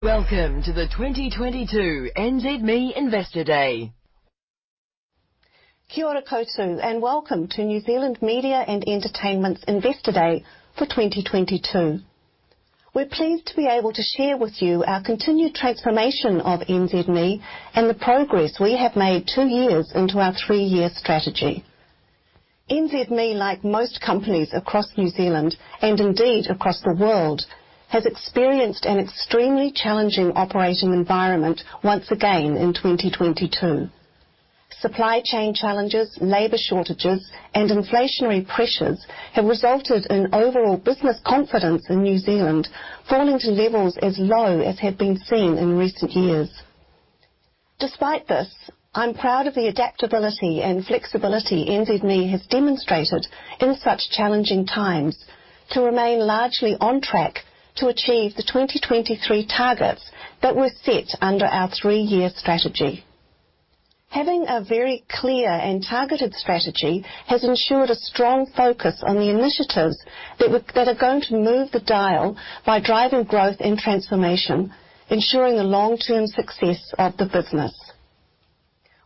Welcome to the 2022 NZME Investor Day. Kia ora kotou, welcome to New Zealand Media and Entertainment's Investor Day for 2022. We're pleased to be able to share with you our continued transformation of NZME and the progress we have made two years into our three-year strategy. NZME, like most companies across New Zealand, and indeed across the world, has experienced an extremely challenging operating environment once again in 2022. Supply chain challenges, labor shortages, and inflationary pressures have resulted in overall business confidence in New Zealand falling to levels as low as had been seen in recent years. Despite this, I'm proud of the adaptability and flexibility NZME has demonstrated in such challenging times to remain largely on track to achieve the 2023 targets that were set under our three-year strategy. Having a very clear and targeted strategy has ensured a strong focus on the initiatives that are going to move the dial by driving growth and transformation, ensuring the long-term success of the business.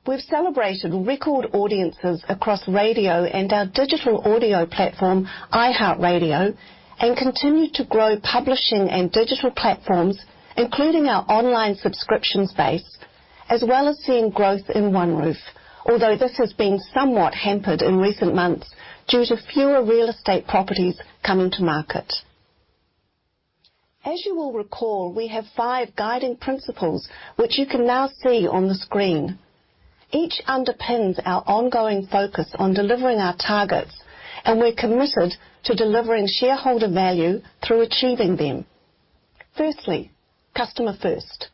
We've celebrated record audiences across radio and our digital audio platform, iHeartRadio, and continued to grow publishing and digital platforms, including our online subscription space, as well as seeing growth in OneRoof, although this has been somewhat hampered in recent months due to fewer real estate properties coming to market. As you will recall, we have five guiding principles which you can now see on the screen. Each underpins our ongoing focus on delivering our targets, and we're committed to delivering shareholder value through achieving them. Firstly, customer first.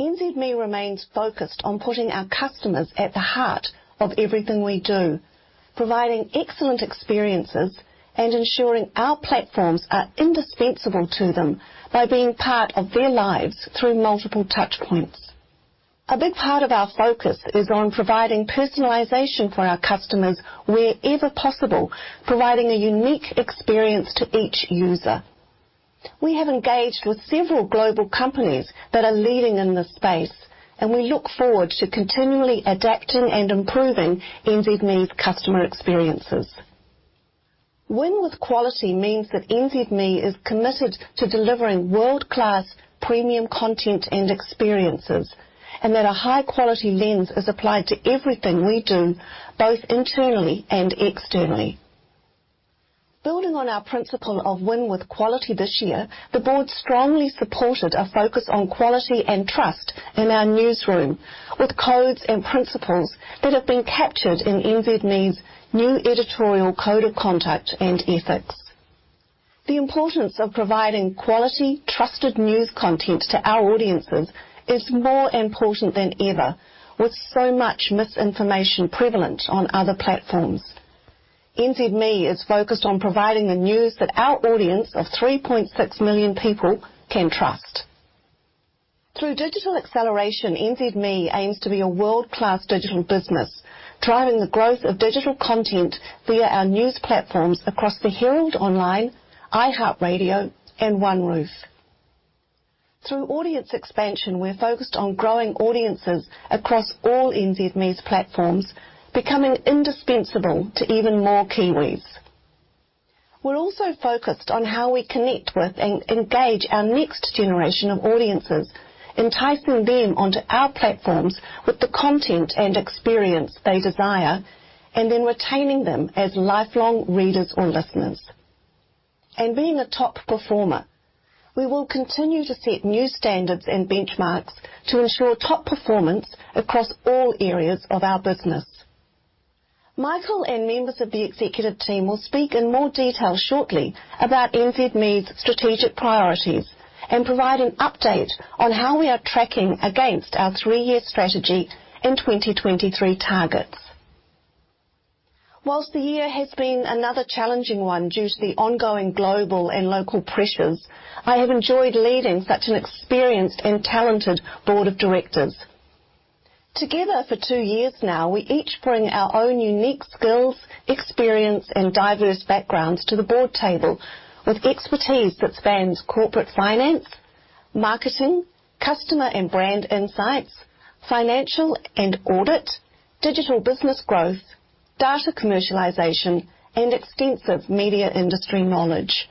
NZME remains focused on putting our customers at the heart of everything we do, providing excellent experiences and ensuring our platforms are indispensable to them by being part of their lives through multiple touchpoints. A big part of our focus is on providing personalization for our customers wherever possible, providing a unique experience to each user. We have engaged with several global companies that are leading in this space, and we look forward to continually adapting and improving NZME's customer experiences. Win with quality means that NZME is committed to delivering world-class premium content and experiences, and that a high-quality lens is applied to everything we do, both internally and externally. Building on our principle of win with quality this year, the board strongly supported a focus on quality and trust in our newsroom with codes and principles that have been captured in NZME's new editorial code of conduct and ethics. The importance of providing quality, trusted news content to our audiences is more important than ever with so much misinformation prevalent on other platforms. NZME is focused on providing the news that our audience of 3.6 million people can trust. Through digital acceleration, NZME aims to be a world-class digital business, driving the growth of digital content via our news platforms across the Herald Online, iHeartRadio, and OneRoof. Through audience expansion, we're focused on growing audiences across all NZME's platforms, becoming indispensable to even more Kiwis. We're also focused on how we connect with and engage our next generation of audiences, enticing them onto our platforms with the content and experience they desire, and then retaining them as lifelong readers or listeners. Being a top performer, we will continue to set new standards and benchmarks to ensure top performance across all areas of our business. Michael and members of the executive team will speak in more detail shortly about NZME's strategic priorities and provide an update on how we are tracking against our three-year strategy and 2023 targets. While the year has been another challenging one due to the ongoing global and local pressures, I have enjoyed leading such an experienced and talented board of directors. Together for two years now, we each bring our own unique skills, experience, and diverse backgrounds to the board table with expertise that spans corporate finance, marketing, customer and brand insights, financial and audit, digital business growth, data commercialization, and extensive media industry knowledge.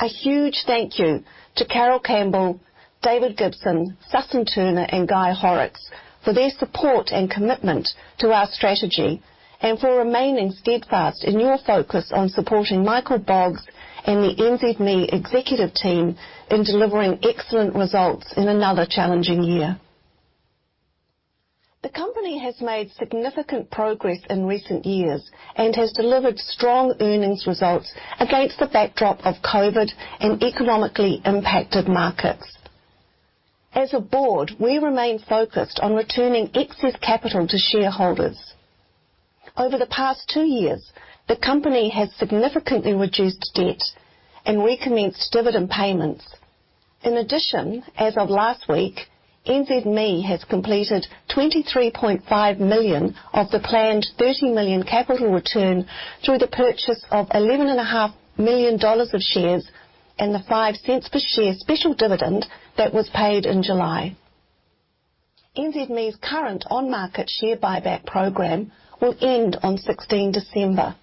A huge thank you to Carol Campbell, David Gibson, Sussan Turner, and Guy Horrocks for their support and commitment to our strategy and for remaining steadfast in your focus on supporting Michael Boggs and the NZME executive team in delivering excellent results in another challenging year. The company has made significant progress in recent years and has delivered strong earnings results against the backdrop of COVID and economically impacted markets. As a board, we remain focused on returning excess capital to shareholders. Over the past two years, the company has significantly reduced debt and recommenced dividend payments. In addition, as of last week, NZME has completed 23.5 million of the planned 30 million capital return through the purchase of 11.5 million dollars of shares and the 0.05 per share special dividend that was paid in July. NZME's current on-market share buyback program will end on 16 December.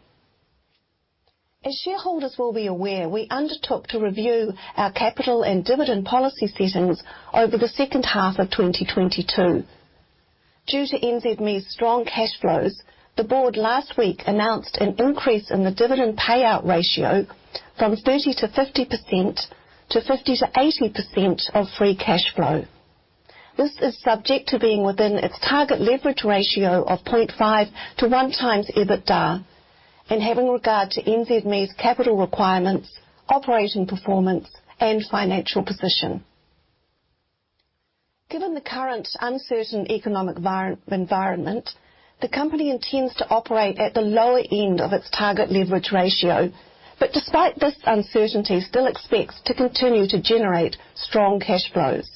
As shareholders will be aware, we undertook to review our capital and dividend policy settings over the second half of 2022. Due to NZME's strong cash flows, the board last week announced an increase in the dividend payout ratio from 30%-50% to 50%-80% of free cash flow. This is subject to being within its target leverage ratio of 0.5x-1x EBITDA and having regard to NZME's capital requirements, operating performance and financial position. Given the current uncertain economic environment, the company intends to operate at the lower end of its target leverage ratio, but despite this uncertainty still expects to continue to generate strong cash flows.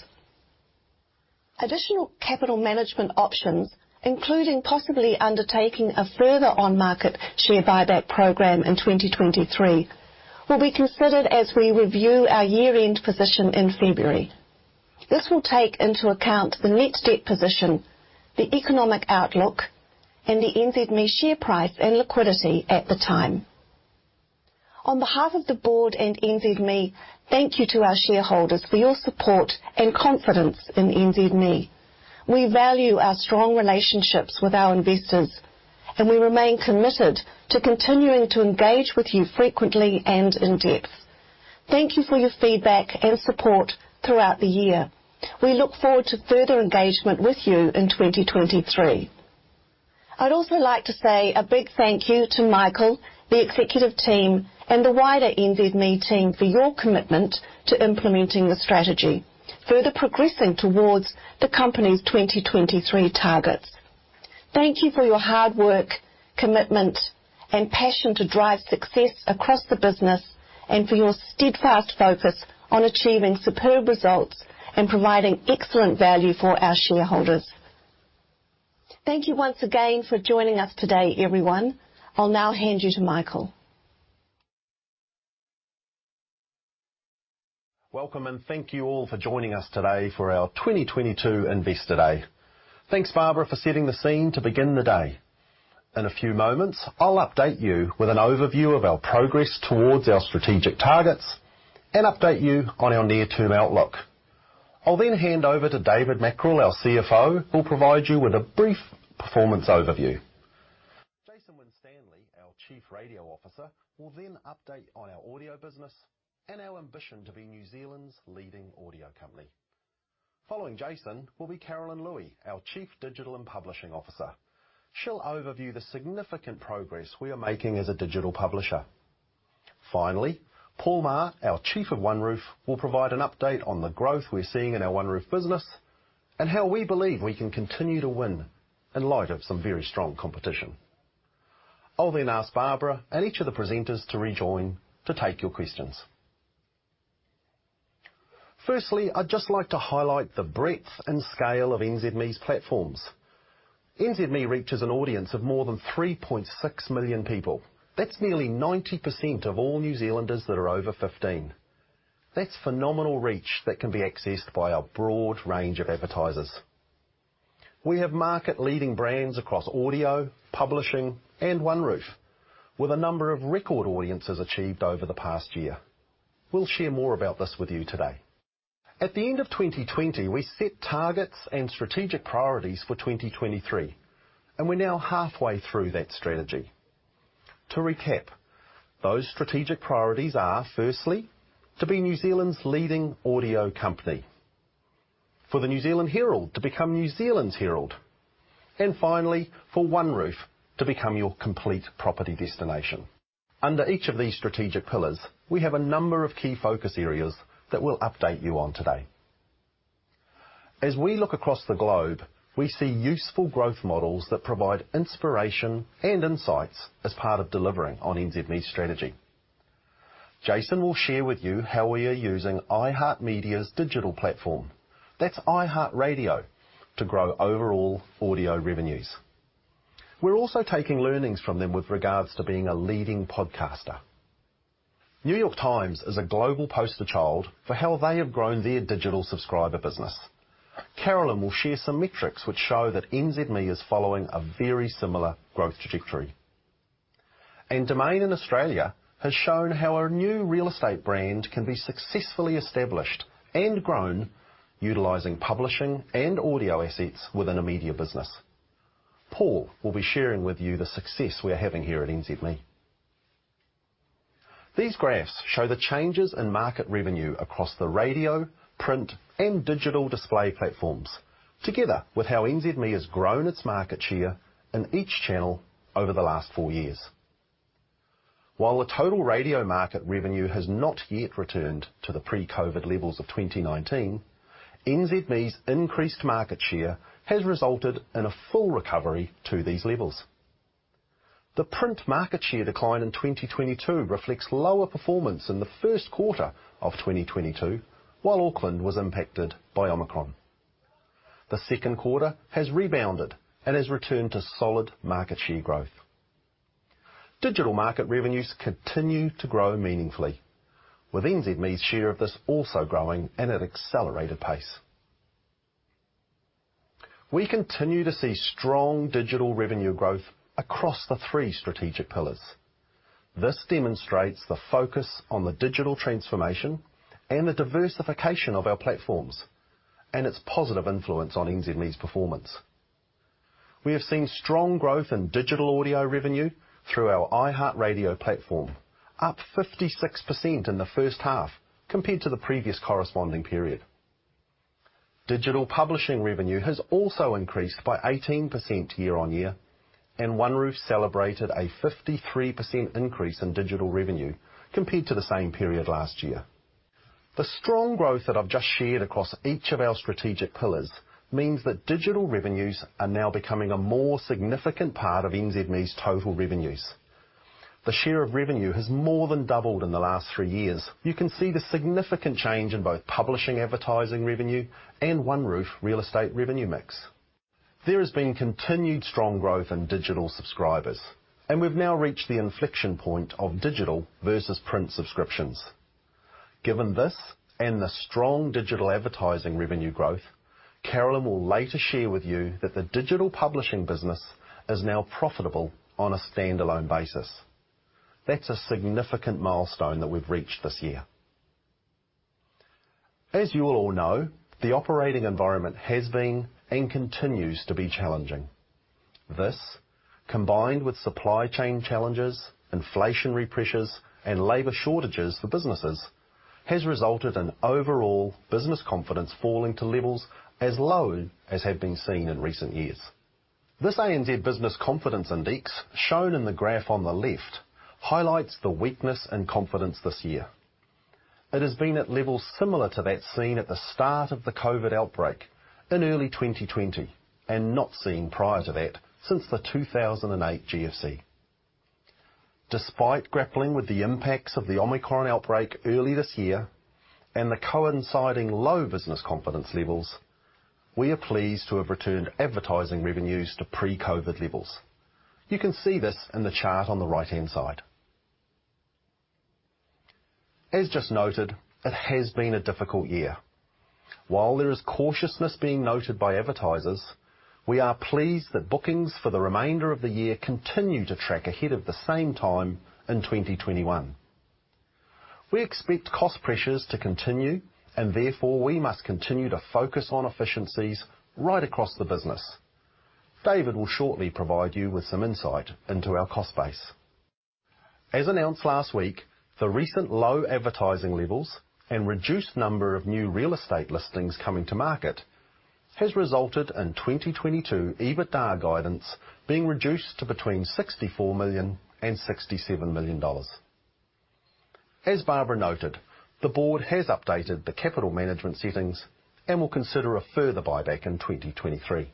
Additional capital management options, including possibly undertaking a further on-market share buyback program in 2023, will be considered as we review our year-end position in February. This will take into account the net debt position, the economic outlook and the NZME share price and liquidity at the time. On behalf of the board and NZME, thank you to our shareholders for your support and confidence in NZME. We value our strong relationships with our investors, and we remain committed to continuing to engage with you frequently and in depth. Thank you for your feedback and support throughout the year. We look forward to further engagement with you in 2023. I'd also like to say a big thank you to Michael, the executive team and the wider NZME team for your commitment to implementing the strategy, further progressing towards the company's 2023 targets. Thank you for your hard work, commitment and passion to drive success across the business and for your steadfast focus on achieving superb results and providing excellent value for our shareholders. Thank you once again for joining us today, everyone. I'll now hand you to Michael. Welcome and thank you all for joining us today for our 2022 Investor Day. Thanks, Barbara, for setting the scene to begin the day. In a few moments, I'll update you with an overview of our progress towards our strategic targets and update you on our near-term outlook. I'll then hand over to David Mackrell, our CFO, who'll provide you with a brief performance overview. Jason Winstanley, our Chief Radio Officer, will then update on our audio business and our ambition to be New Zealand's leading audio company. Following Jason will be Carolyn Luey, our Chief Digital and Publishing Officer. She'll overview the significant progress we are making as a digital publisher. Finally, Paul Maher, our Chief of OneRoof, will provide an update on the growth we're seeing in our OneRoof business and how we believe we can continue to win in light of some very strong competition. I'll then ask Barbara and each of the presenters to rejoin to take your questions. Firstly, I'd just like to highlight the breadth and scale of NZME's platforms. NZME reaches an audience of more than 3.6 million people. That's nearly 90% of all New Zealanders that are over 15. That's phenomenal reach that can be accessed by a broad range of advertisers. We have market-leading brands across audio, publishing, and OneRoof, with a number of record audiences achieved over the past year. We'll share more about this with you today. At the end of 2020, we set targets and strategic priorities for 2023, and we're now halfway through that strategy. To recap, those strategic priorities are, firstly, to be New Zealand's leading audio company, for the New Zealand Herald to become New Zealand's Herald, and finally, for OneRoof to become your complete property destination. Under each of these strategic pillars, we have a number of key focus areas that we'll update you on today. As we look across the globe, we see useful growth models that provide inspiration and insights as part of delivering on NZME's strategy. Jason will share with you how we are using iHeartMedia's digital platform. That's iHeartRadio to grow overall audio revenues. We're also taking learnings from them with regards to being a leading podcaster. New York Times is a global poster child for how they have grown their digital subscriber business. Carolyn will share some metrics which show that NZME is following a very similar growth trajectory. Domain in Australia has shown how a new real estate brand can be successfully established and grown utilizing publishing and audio assets within a media business. Paul will be sharing with you the success we are having here at NZME. These graphs show the changes in market revenue across the radio, print, and digital display platforms, together with how NZME has grown its market share in each channel over the last four years. While the total radio market revenue has not yet returned to the pre-COVID levels of 2019, NZME's increased market share has resulted in a full recovery to these levels. The print market share decline in 2022 reflects lower performance in the first quarter of 2022, while Auckland was impacted by Omicron. The second quarter has rebounded and has returned to solid market share growth. Digital market revenues continue to grow meaningfully, with NZME's share of this also growing at an accelerated pace. We continue to see strong digital revenue growth across the three strategic pillars. This demonstrates the focus on the digital transformation and the diversification of our platforms, and its positive influence on NZME's performance. We have seen strong growth in digital audio revenue through our iHeartRadio platform, up 56% in the first half compared to the previous corresponding period. Digital publishing revenue has also increased by 18% year-on-year, and OneRoof celebrated a 53% increase in digital revenue compared to the same period last year. The strong growth that I've just shared across each of our strategic pillars means that digital revenues are now becoming a more significant part of NZME's total revenues. The share of revenue has more than doubled in the last three years. You can see the significant change in both publishing advertising revenue and OneRoof real estate revenue mix. There has been continued strong growth in digital subscribers, and we've now reached the inflection point of digital versus print subscriptions. Given this and the strong digital advertising revenue growth, Carolyn will later share with you that the digital publishing business is now profitable on a standalone basis. That's a significant milestone that we've reached this year. As you all know, the operating environment has been and continues to be challenging. This, combined with supply chain challenges, inflationary pressures, and labor shortages for businesses, has resulted in overall business confidence falling to levels as low as have been seen in recent years. This ANZ Business Confidence Index shown in the graph on the left highlights the weakness in confidence this year. It has been at levels similar to that seen at the start of the COVID outbreak in early 2020 and not seen prior to that since the 2008 GFC. Despite grappling with the impacts of the Omicron outbreak early this year and the coinciding low business confidence levels, we are pleased to have returned advertising revenues to pre-COVID levels. You can see this in the chart on the right-hand side. As just noted, it has been a difficult year. While there is cautiousness being noted by advertisers, we are pleased that bookings for the remainder of the year continue to track ahead of the same time in 2021. We expect cost pressures to continue and therefore we must continue to focus on efficiencies right across the business. David will shortly provide you with some insight into our cost base. As announced last week, the recent low advertising levels and reduced number of new real estate listings coming to market has resulted in 2022 EBITDA guidance being reduced to between 64 million and 67 million dollars. As Barbara noted, the board has updated the capital management settings and will consider a further buyback in 2023.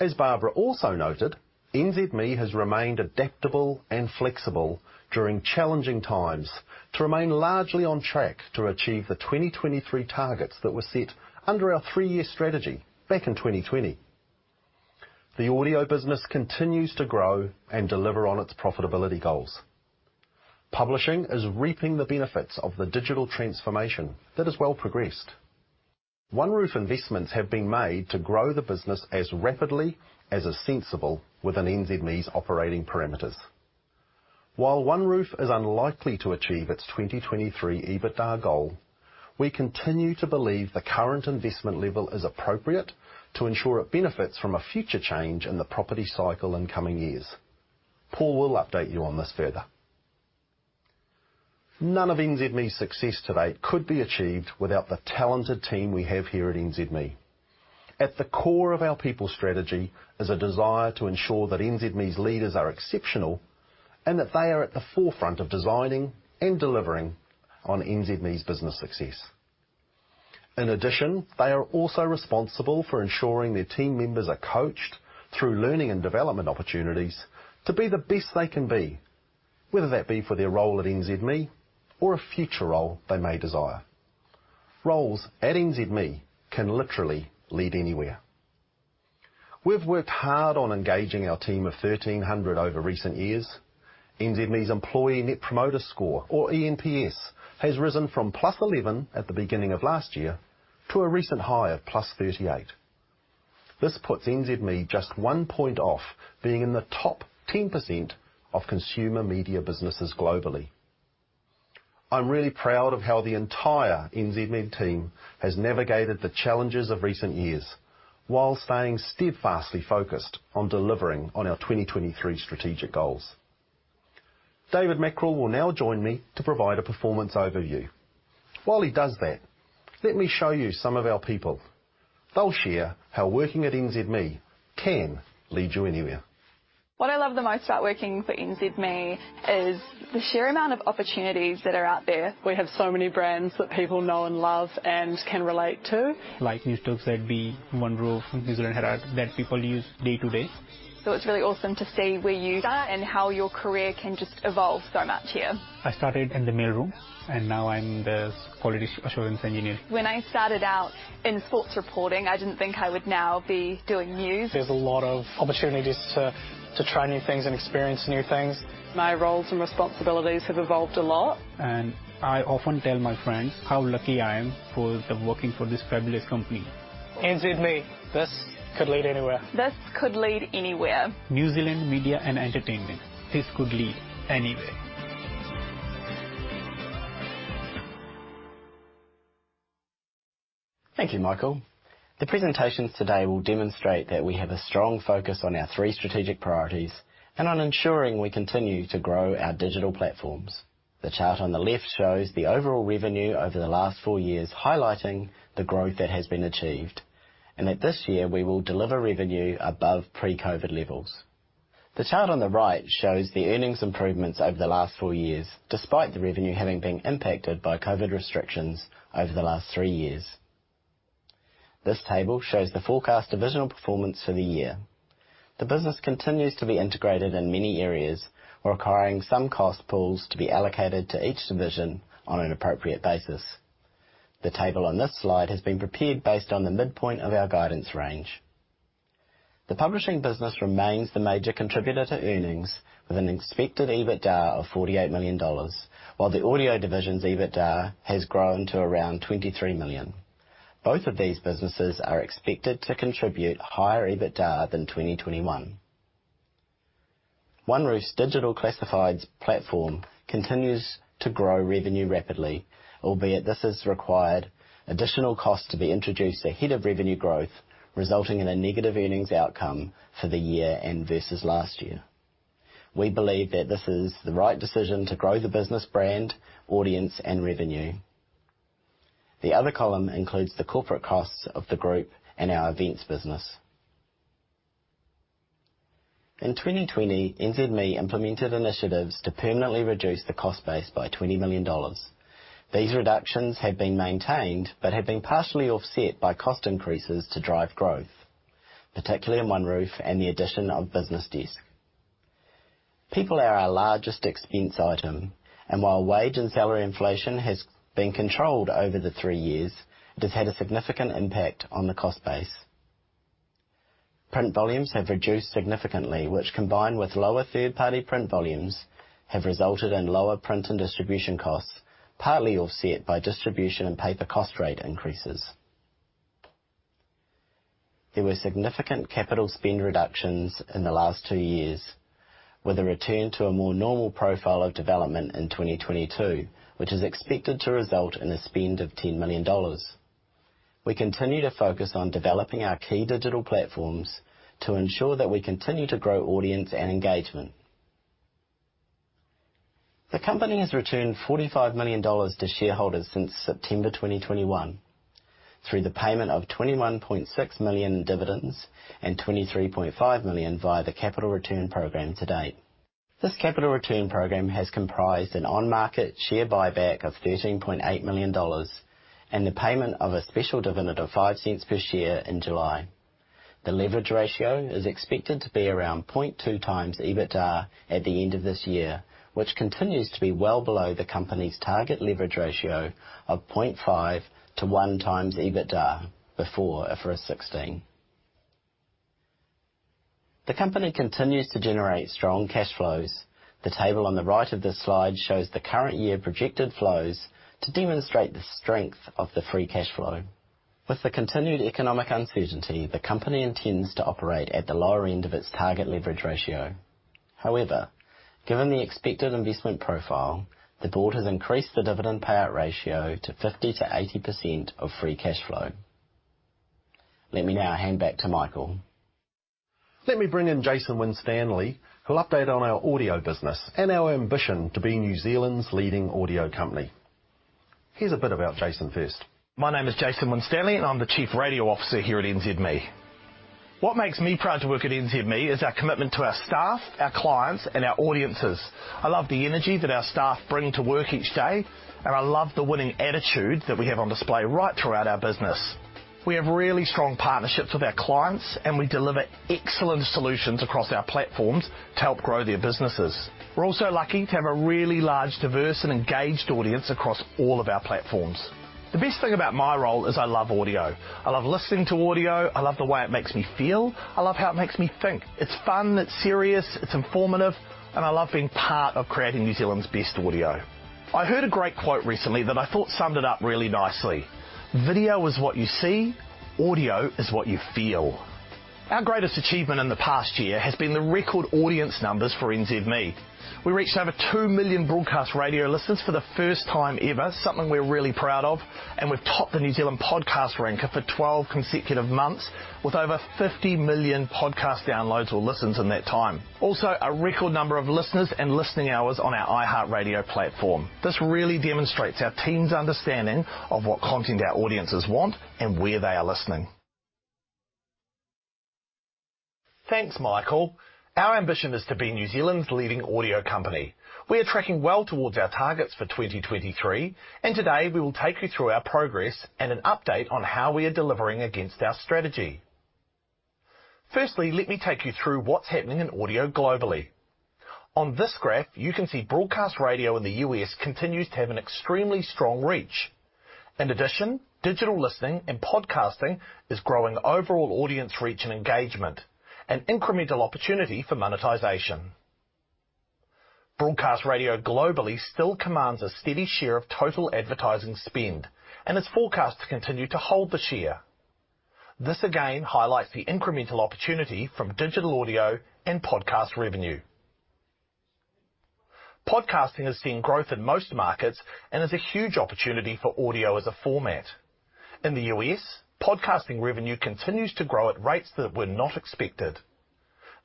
As Barbara also noted, NZME has remained adaptable and flexible during challenging times to remain largely on track to achieve the 2023 targets that were set under our three-year strategy back in 2020. The audio business continues to grow and deliver on its profitability goals. Publishing is reaping the benefits of the digital transformation that has well progressed. OneRoof investments have been made to grow the business as rapidly as is sensible within NZME's operating parameters. While OneRoof is unlikely to achieve its 2023 EBITDA goal, we continue to believe the current investment level is appropriate to ensure it benefits from a future change in the property cycle in coming years. Paul will update you on this further. None of NZME's success today could be achieved without the talented team we have here at NZME. At the core of our people strategy is a desire to ensure that NZME's leaders are exceptional and that they are at the forefront of designing and delivering on NZME's business success. In addition, they are also responsible for ensuring their team members are coached through learning and development opportunities to be the best they can be, whether that be for their role at NZME or a future role they may desire. Roles at NZME can literally lead anywhere. We've worked hard on engaging our team of 1,300 over recent years. NZME's Employee Net Promoter Score, or eNPS, has risen from +11 at the beginning of last year to a recent high of +38. This puts NZME just one point off being in the top 10% of consumer media businesses globally. I'm really proud of how the entire NZME team has navigated the challenges of recent years while staying steadfastly focused on delivering on our 2023 strategic goals. David Mackrell will now join me to provide a performance overview. While he does that, let me show you some of our people. They'll share how working at NZME can lead you anywhere. What I love the most about working for NZME is the sheer amount of opportunities that are out there. We have so many brands that people know and love and can relate to. Like Newstalk ZB, OneRoof, New Zealand Herald that people use day to day. It's really awesome to see where you start and how your career can just evolve so much here. I started in the mailroom, and now I'm the quality assurance engineer. When I started out in sports reporting, I didn't think I would now be doing news. There's a lot of opportunities to try new things and experience new things. My roles and responsibilities have evolved a lot. I often tell my friends how lucky I am for working for this fabulous company. NZME, this could lead anywhere. This could lead anywhere. New Zealand Media and Entertainment, this could lead anywhere. Thank you, Michael. The presentations today will demonstrate that we have a strong focus on our three strategic priorities and on ensuring we continue to grow our digital platforms. The chart on the left shows the overall revenue over the last four years, highlighting the growth that has been achieved, and that this year we will deliver revenue above pre-COVID levels. The chart on the right shows the earnings improvements over the last four years, despite the revenue having been impacted by COVID restrictions over the last three years. This table shows the forecast divisional performance for the year. The business continues to be integrated in many areas, requiring some cost pools to be allocated to each division on an appropriate basis. The table on this slide has been prepared based on the midpoint of our guidance range. The publishing business remains the major contributor to earnings with an expected EBITDA of 48 million dollars, while the audio division's EBITDA has grown to around 23 million. Both of these businesses are expected to contribute higher EBITDA than 2021. OneRoof's digital classifieds platform continues to grow revenue rapidly, albeit this has required additional costs to be introduced ahead of revenue growth, resulting in a negative earnings outcome for the year and versus last year. We believe that this is the right decision to grow the business brand, audience, and revenue. The other column includes the corporate costs of the group and our events business. In 2020, NZME implemented initiatives to permanently reduce the cost base by 20 million dollars. These reductions have been maintained but have been partially offset by cost increases to drive growth, particularly in OneRoof and the addition of BusinessDesk. People are our largest expense item, and while wage and salary inflation has been controlled over the three years, it has had a significant impact on the cost base. Print volumes have reduced significantly, which combined with lower third-party print volumes, have resulted in lower print and distribution costs, partly offset by distribution and paper cost rate increases. There were significant capital spend reductions in the last two years with a return to a more normal profile of development in 2022, which is expected to result in a spend of 10 million dollars. We continue to focus on developing our key digital platforms to ensure that we continue to grow audience and engagement. The company has returned 45 million dollars to shareholders since September 2021 through the payment of 21.6 million in dividends and 23.5 million via the capital return program to date. This capital return program has comprised an on-market share buyback of 13.8 million dollars and the payment of a special dividend of 0.05 per share in July. The leverage ratio is expected to be around 0.2x EBITDA at the end of this year, which continues to be well below the company's target leverage ratio of 0.5x-1x EBITDA before IFRS 16. The company continues to generate strong cash flows. The table on the right of this slide shows the current year projected flows to demonstrate the strength of the free cash flow. With the continued economic uncertainty, the company intends to operate at the lower end of its target leverage ratio. However, given the expected investment profile, the board has increased the dividend payout ratio to 50%-80% of free cash flow. Let me now hand back to Michael. Let me bring in Jason Winstanley, who'll update on our audio business and our ambition to be New Zealand's leading audio company. Here's a bit about Jason first. My name is Jason Winstanley, and I'm the Chief Radio Officer here at NZME. What makes me proud to work at NZME is our commitment to our staff, our clients, and our audiences. I love the energy that our staff bring to work each day, and I love the winning attitude that we have on display right throughout our business. We have really strong partnerships with our clients, and we deliver excellent solutions across our platforms to help grow their businesses. We're also lucky to have a really large, diverse, and engaged audience across all of our platforms. The best thing about my role is I love audio. I love listening to audio. I love the way it makes me feel. I love how it makes me think. It's fun, it's serious, it's informative, and I love being part of creating New Zealand's best audio. I heard a great quote recently that I thought summed it up really nicely. "Video is what you see. Audio is what you feel." Our greatest achievement in the past year has been the record audience numbers for NZME. We reached over 2 million broadcast radio listeners for the first time ever, something we're really proud of, and we've topped the New Zealand podcast rank for 12 consecutive months with over 50 million podcast downloads or listens in that time. Also, a record number of listeners and listening hours on our iHeartRadio platform. This really demonstrates our team's understanding of what content our audiences want and where they are listening. Thanks, Michael. Our ambition is to be New Zealand's leading audio company. We are tracking well towards our targets for 2023, and today we will take you through our progress and an update on how we are delivering against our strategy. Firstly, let me take you through what's happening in audio globally. On this graph, you can see broadcast radio in the U.S. continues to have an extremely strong reach. In addition, digital listening and podcasting is growing overall audience reach and engagement, an incremental opportunity for monetization. Broadcast radio globally still commands a steady share of total advertising spend and is forecast to continue to hold the share. This again highlights the incremental opportunity from digital audio and podcast revenue. Podcasting has seen growth in most markets and is a huge opportunity for audio as a format. In the U.S., podcasting revenue continues to grow at rates that were not expected.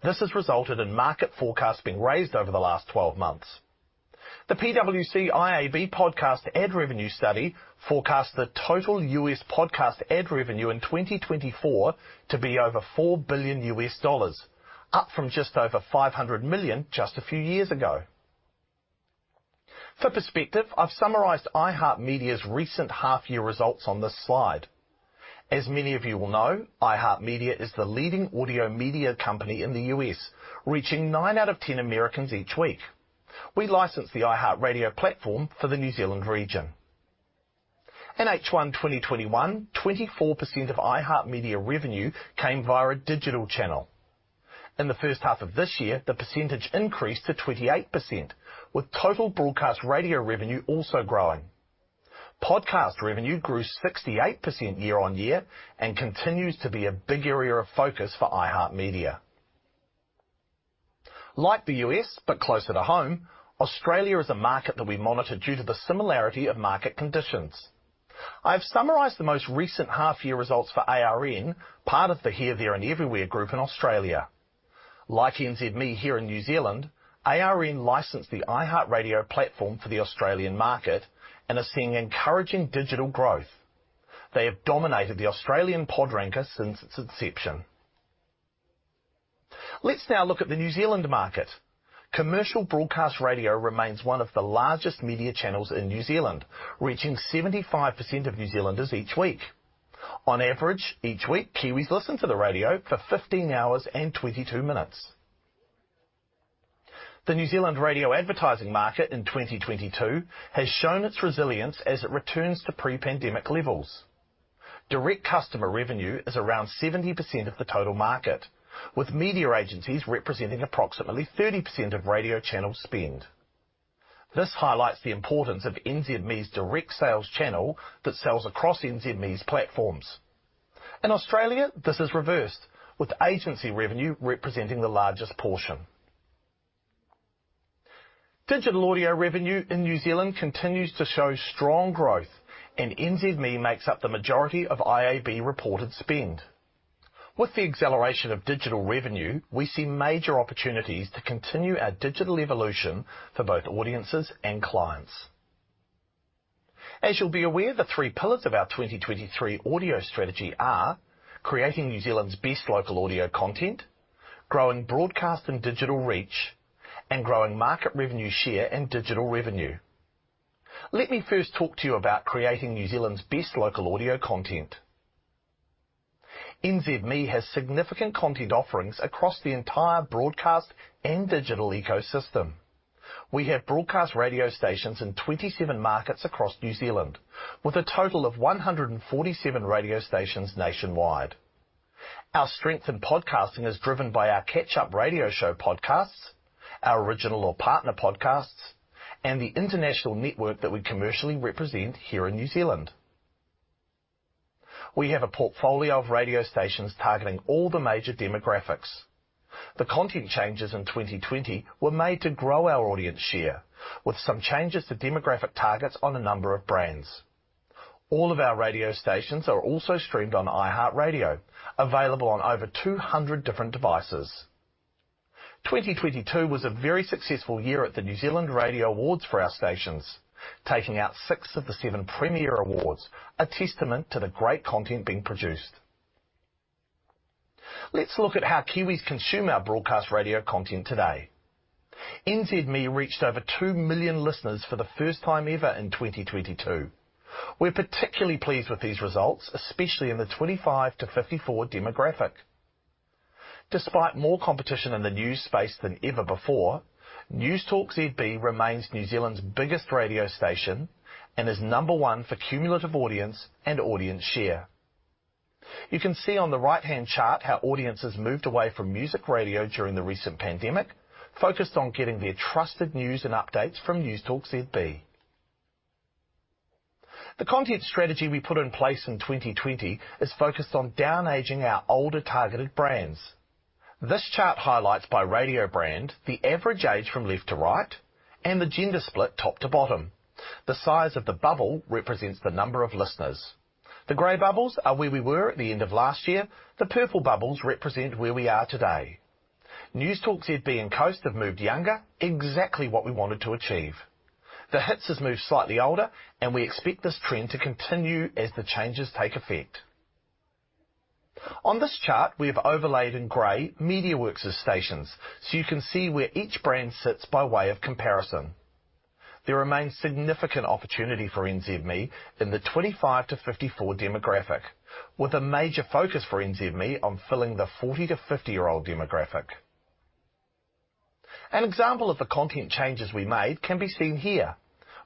This has resulted in market forecasts being raised over the last 12 months. The PwC/IAB Podcast Ad Revenue Study forecasts the total U.S. podcast ad revenue in 2024 to be over $4 billion, up from just over $500 million just a few years ago. For perspective, I've summarized iHeartMedia's recent half-year results on this slide. As many of you will know, iHeartMedia is the leading audio media company in the U.S., reaching 9 out of 10 Americans each week. We licensed the iHeartRadio platform for the New Zealand region. In H1 2021, 24% of iHeartMedia revenue came via a digital channel. In the first half of this year, the percentage increased to 28%, with total broadcast radio revenue also growing. Podcast revenue grew 68% year-over-year and continues to be a big area of focus for iHeartMedia. Like the U.S., but closer to home, Australia is a market that we monitor due to the similarity of market conditions. I have summarized the most recent half-year results for ARN, part of the Here, There, & Everywhere group in Australia. Like NZME here in New Zealand, ARN licensed the iHeartRadio platform for the Australian market and are seeing encouraging digital growth. They have dominated the Australian Pod Ranker since its inception. Let's now look at the New Zealand market. Commercial broadcast radio remains one of the largest media channels in New Zealand, reaching 75% of New Zealanders each week. On average, each week, Kiwis listen to the radio for 15 hours and 22 minutes. The New Zealand radio advertising market in 2022 has shown its resilience as it returns to pre-pandemic levels. Direct customer revenue is around 70% of the total market, with media agencies representing approximately 30% of radio channel spend. This highlights the importance of NZME's direct sales channel that sells across NZME's platforms. In Australia, this is reversed, with agency revenue representing the largest portion. Digital audio revenue in New Zealand continues to show strong growth, and NZME makes up the majority of IAB-reported spend. With the acceleration of digital revenue, we see major opportunities to continue our digital evolution for both audiences and clients. As you'll be aware, the three pillars of our 2023 audio strategy are creating New Zealand's best local audio content, growing broadcast and digital reach, and growing market revenue share and digital revenue. Let me first talk to you about creating New Zealand's best local audio content. NZME has significant content offerings across the entire broadcast and digital ecosystem. We have broadcast radio stations in 27 markets across New Zealand with a total of 147 radio stations nationwide. Our strength in podcasting is driven by our Catch-Up radio show podcasts, our original or partner podcasts, and the international network that we commercially represent here in New Zealand. We have a portfolio of radio stations targeting all the major demographics. The content changes in 2020 were made to grow our audience share, with some changes to demographic targets on a number of brands. All of our radio stations are also streamed on iHeartRadio, available on over 200 different devices. 2022 was a very successful year at the New Zealand Radio Awards for our stations, taking out six of the seven premier awards, a testament to the great content being produced. Let's look at how Kiwis consume our broadcast radio content today. NZME reached over 2 million listeners for the first time ever in 2022. We're particularly pleased with these results, especially in the 25-54 demographic. Despite more competition in the news space than ever before, Newstalk ZB remains New Zealand's biggest radio station and is number one for cumulative audience and audience share. You can see on the right-hand chart how audiences moved away from music radio during the recent pandemic, focused on getting their trusted news and updates from Newstalk ZB. The content strategy we put in place in 2020 is focused on down-aging our older targeted brands. This chart highlights by radio brand the average age from left to right and the gender split top to bottom. The size of the bubble represents the number of listeners. The gray bubbles are where we were at the end of last year. The purple bubbles represent where we are today. Newstalk ZB and Coast have moved younger, exactly what we wanted to achieve. The Hits has moved slightly older, and we expect this trend to continue as the changes take effect. On this chart, we have overlaid in gray MediaWorks' stations, so you can see where each brand sits by way of comparison. There remains significant opportunity for NZME in the 25-54 demographic, with a major focus for NZME on filling the 40-50-year-old demographic. An example of the content changes we made can be seen here.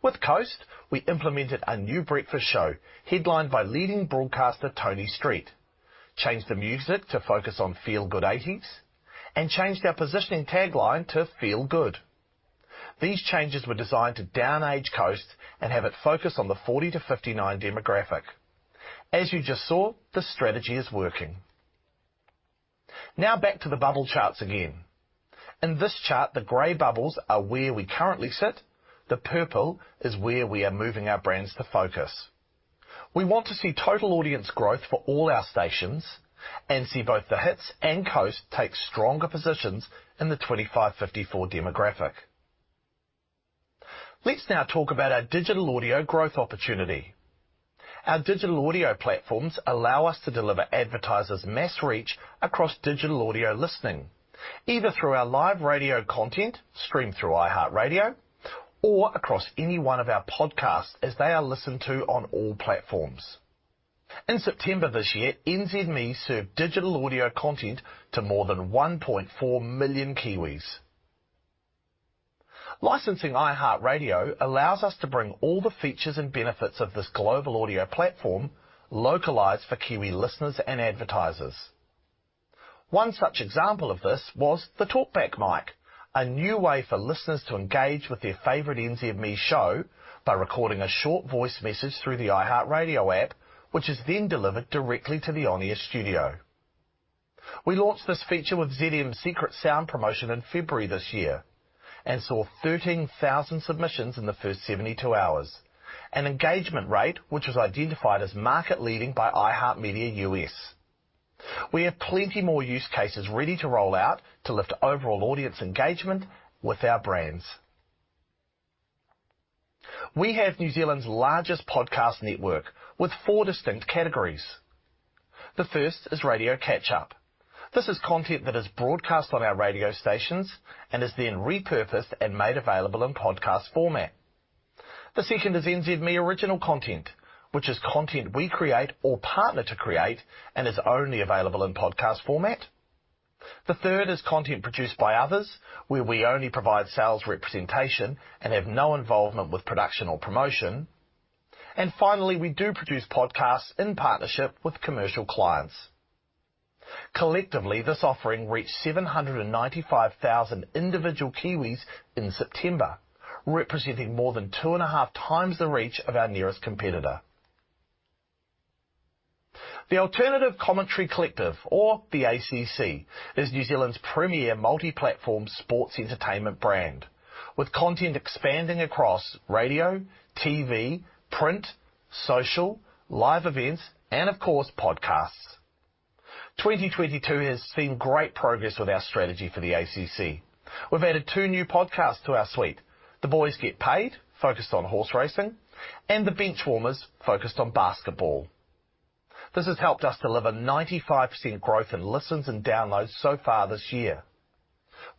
With Coast, we implemented a new breakfast show headlined by leading broadcaster Toni Street, changed the music to focus on feelgood '80s, and changed our positioning tagline to "Feel Good." These changes were designed to down-age Coast and have it focus on the 40-59 demographic. As you just saw, the strategy is working. Now back to the bubble charts again. In this chart, the gray bubbles are where we currently sit, the purple is where we are moving our brands to focus. We want to see total audience growth for all our stations and see both The Hits and Coast take stronger positions in the 25-54 demographic. Let's now talk about our digital audio growth opportunity. Our digital audio platforms allow us to deliver advertisers mass reach across digital audio listening, either through our live radio content streamed through iHeartRadio or across any one of our podcasts as they are listened to on all platforms. In September this year, NZME served digital audio content to more than 1.4 million Kiwis. Licensing iHeartRadio allows us to bring all the features and benefits of this global audio platform localized for Kiwi listeners and advertisers. One such example of this was the Talkback Mic, a new way for listeners to engage with their favorite NZME show by recording a short voice message through the iHeartRadio app, which is then delivered directly to the on-air studio. We launched this feature with ZM's Secret Sound promotion in February this year and saw 13,000 submissions in the first 72 hours, an engagement rate which was identified as market leading by iHeartMedia U.S.. We have plenty more use cases ready to roll out to lift overall audience engagement with our brands. We have New Zealand's largest podcast network with four distinct categories. The first is radio catch-up. This is content that is broadcast on our radio stations and is then repurposed and made available in podcast format. The second is NZME original content, which is content we create or partner to create and is only available in podcast format. The third is content produced by others, where we only provide sales representation and have no involvement with production or promotion. Finally, we do produce podcasts in partnership with commercial clients. Collectively, this offering reached 795,000 individual Kiwis in September, representing more than 2.5x the reach of our nearest competitor. The Alternative Commentary Collective, or the ACC, is New Zealand's premier multi-platform sports entertainment brand, with content expanding across radio, TV, print, social, live events, and of course, podcasts. 2022 has seen great progress with our strategy for the ACC. We've added two new podcasts to our suite, The Boys Get Paid, focused on horse racing, and The Bench Warmers, focused on basketball. This has helped us deliver 95% growth in listens and downloads so far this year.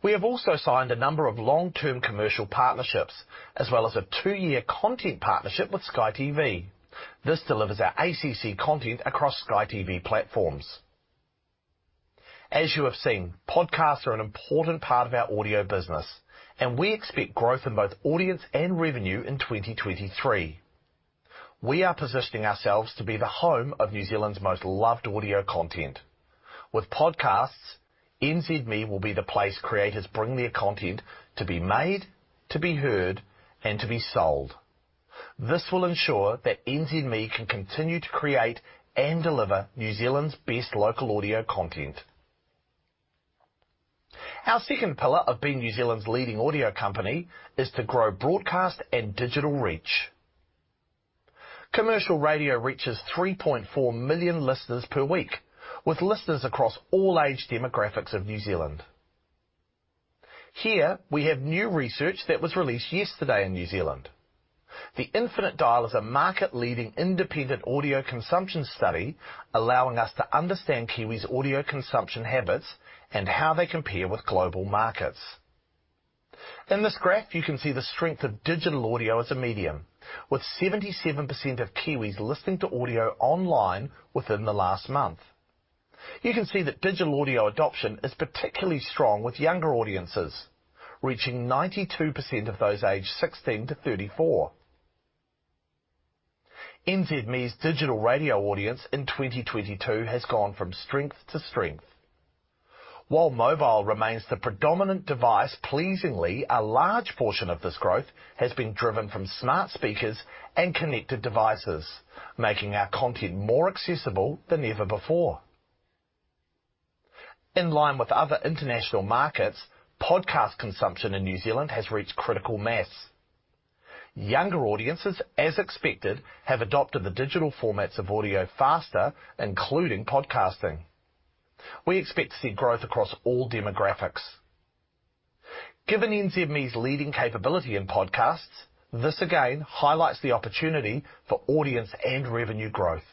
We have also signed a number of long-term commercial partnerships, as well as a two-year content partnership with Sky TV. This delivers our ACC content across Sky TV platforms. As you have seen, podcasts are an important part of our audio business, and we expect growth in both audience and revenue in 2023. We are positioning ourselves to be the home of New Zealand's most loved audio content. With podcasts, NZME will be the place creators bring their content to be made, to be heard, and to be sold. This will ensure that NZME can continue to create and deliver New Zealand's best local audio content. Our second pillar of being New Zealand's leading audio company is to grow broadcast and digital reach. Commercial radio reaches 3.4 million listeners per week, with listeners across all age demographics of New Zealand. Here we have new research that was released yesterday in New Zealand. The Infinite Dial is a market-leading independent audio consumption study, allowing us to understand Kiwis' audio consumption habits and how they compare with global markets. In this graph, you can see the strength of digital audio as a medium, with 77% of Kiwis listening to audio online within the last month. You can see that digital audio adoption is particularly strong with younger audiences, reaching 92% of those aged 16 to 34. NZME's digital radio audience in 2022 has gone from strength to strength. While mobile remains the predominant device, pleasingly, a large portion of this growth has been driven from smart speakers and connected devices, making our content more accessible than ever before. In line with other international markets, podcast consumption in New Zealand has reached critical mass. Younger audiences, as expected, have adopted the digital formats of audio faster, including podcasting. We expect to see growth across all demographics. Given NZME's leading capability in podcasts, this again highlights the opportunity for audience and revenue growth.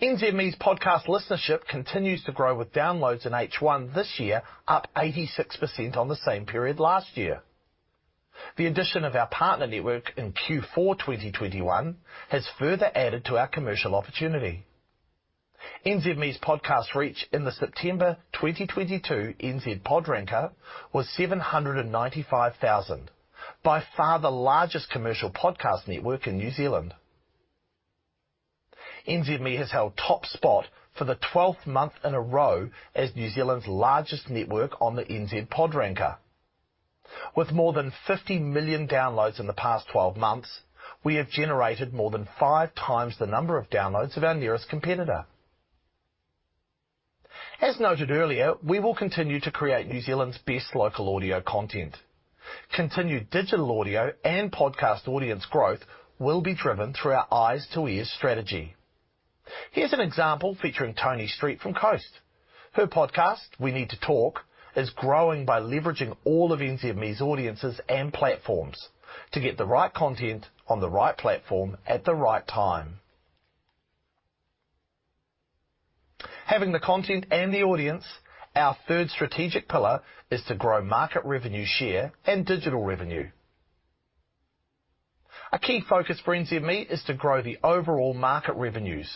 NZME's podcast listenership continues to grow, with downloads in H1 this year up 86% on the same period last year. The addition of our partner network in Q4 2021 has further added to our commercial opportunity. NZME's podcast reach in the September 2022 NZ Podcast Ranker was 795,000, by far the largest commercial podcast network in New Zealand. NZME has held top spot for the 12th month in a row as New Zealand's largest network on the NZ Podcast Ranker. With more than 50 million downloads in the past 12 months, we have generated more than 5x the number of downloads of our nearest competitor. As noted earlier, we will continue to create New Zealand's best local audio content. Continued digital audio and podcast audience growth will be driven through our eyes to ears strategy. Here's an example featuring Toni Street from Coast. Her podcast, We Need To Talk, is growing by leveraging all of NZME's audiences and platforms to get the right content on the right platform at the right time. Having the content and the audience, our third strategic pillar is to grow market revenue share and digital revenue. A key focus for NZME is to grow the overall market revenues.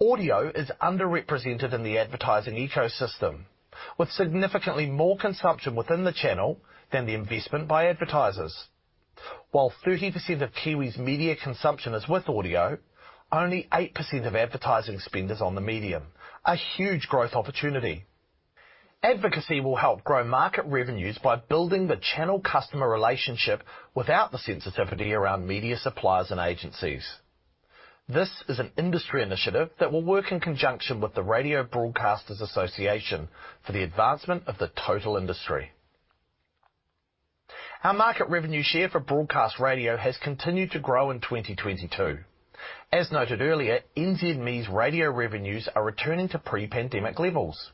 Audio is underrepresented in the advertising ecosystem, with significantly more consumption within the channel than the investment by advertisers. While 30% of Kiwis' media consumption is with audio, only 8% of advertising spend is on the medium. A huge growth opportunity. Advocacy will help grow market revenues by building the channel customer relationship without the sensitivity around media suppliers and agencies. This is an industry initiative that will work in conjunction with the Radio Broadcasters Association for the advancement of the total industry. Our market revenue share for broadcast radio has continued to grow in 2022. As noted earlier, NZME's radio revenues are returning to pre-pandemic levels.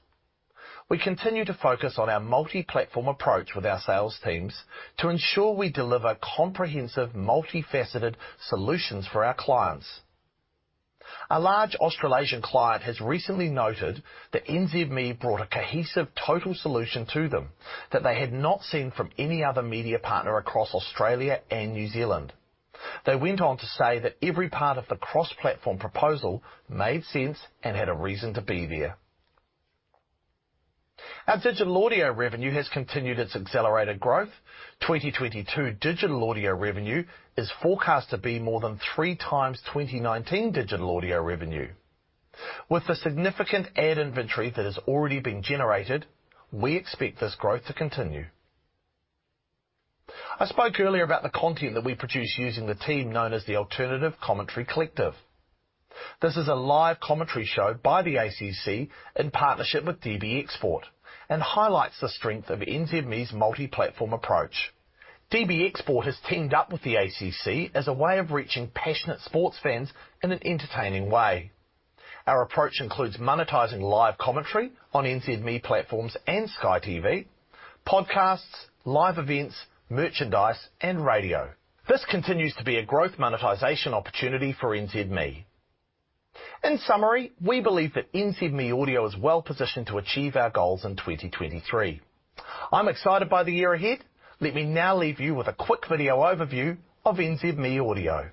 We continue to focus on our multi-platform approach with our sales teams to ensure we deliver comprehensive, multifaceted solutions for our clients. A large Australasian client has recently noted that NZME brought a cohesive total solution to them that they had not seen from any other media partner across Australia and New Zealand. They went on to say that every part of the cross-platform proposal made sense and had a reason to be there. Our digital audio revenue has continued its accelerated growth. 2022 digital audio revenue is forecast to be more than 3x 2019 digital audio revenue. With the significant ad inventory that has already been generated, we expect this growth to continue. I spoke earlier about the content that we produce using the team known as the Alternative Commentary Collective. This is a live commentary show by the ACC in partnership with DB Export, and highlights the strength of NZME's multi-platform approach. DB Export has teamed up with the ACC as a way of reaching passionate sports fans in an entertaining way. Our approach includes monetizing live commentary on NZME platforms and Sky TV, podcasts, live events, merchandise, and radio. This continues to be a growth monetization opportunity for NZME. In summary, we believe that NZME audio is well-positioned to achieve our goals in 2023. I'm excited by the year ahead. Let me now leave you with a quick video overview of NZME Audio.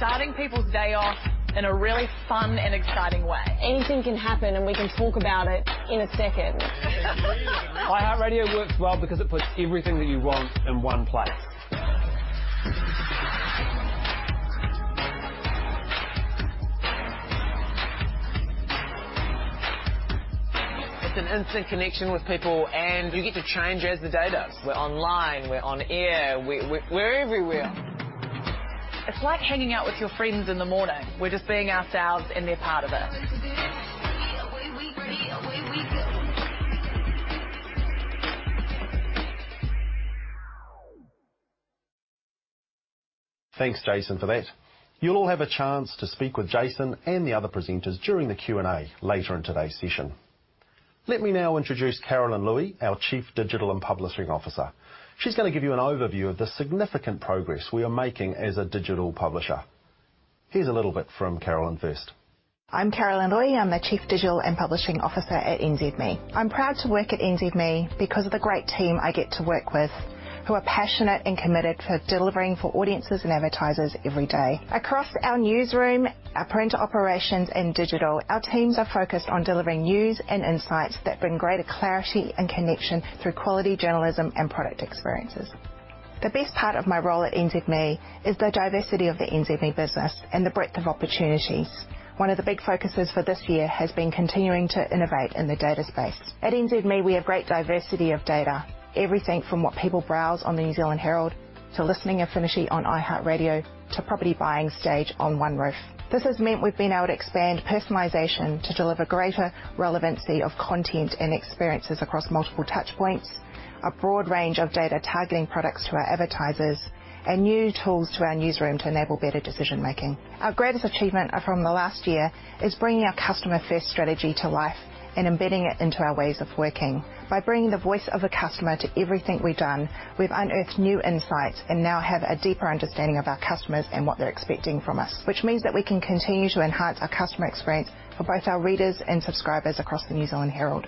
Radio is about starting people's day off in a really fun and exciting way. Anything can happen, and we can talk about it in a second. iHeartRadio works well because it puts everything that you want in one place. It's an instant connection with people, and you get to change as the day does. We're online, we're on air, we're everywhere. It's like hanging out with your friends in the morning. We're just being ourselves, and they're part of it. Thanks, Jason, for that. You'll all have a chance to speak with Jason and the other presenters during the Q&A later in today's session. Let me now introduce Carolyn Luey, our Chief Digital and Publishing Officer. She's gonna give you an overview of the significant progress we are making as a digital publisher. Here's a little bit from Carolyn first. I'm Carolyn Luey, I'm the Chief Digital and Publishing Officer at NZME. I'm proud to work at NZME because of the great team I get to work with, who are passionate and committed for delivering for audiences and advertisers every day. Across our newsroom, our print operations, and digital, our teams are focused on delivering news and insights that bring greater clarity and connection through quality journalism and product experiences. The best part of my role at NZME is the diversity of the NZME business and the breadth of opportunities. One of the big focuses for this year has been continuing to innovate in the data space. At NZME, we have great diversity of data. Everything from what people browse on the New Zealand Herald, to listening affinity on iHeartRadio, to property buying stage on OneRoof. This has meant we've been able to expand personalization to deliver greater relevancy of content and experiences across multiple touchpoints, a broad range of data targeting products to our advertisers, and new tools to our newsroom to enable better decision-making. Our greatest achievement from the last year is bringing our customer first strategy to life and embedding it into our ways of working. By bringing the voice of the customer to everything we've done, we've unearthed new insights and now have a deeper understanding of our customers and what they're expecting from us. Which means that we can continue to enhance our customer experience for both our readers and subscribers across the New Zealand Herald.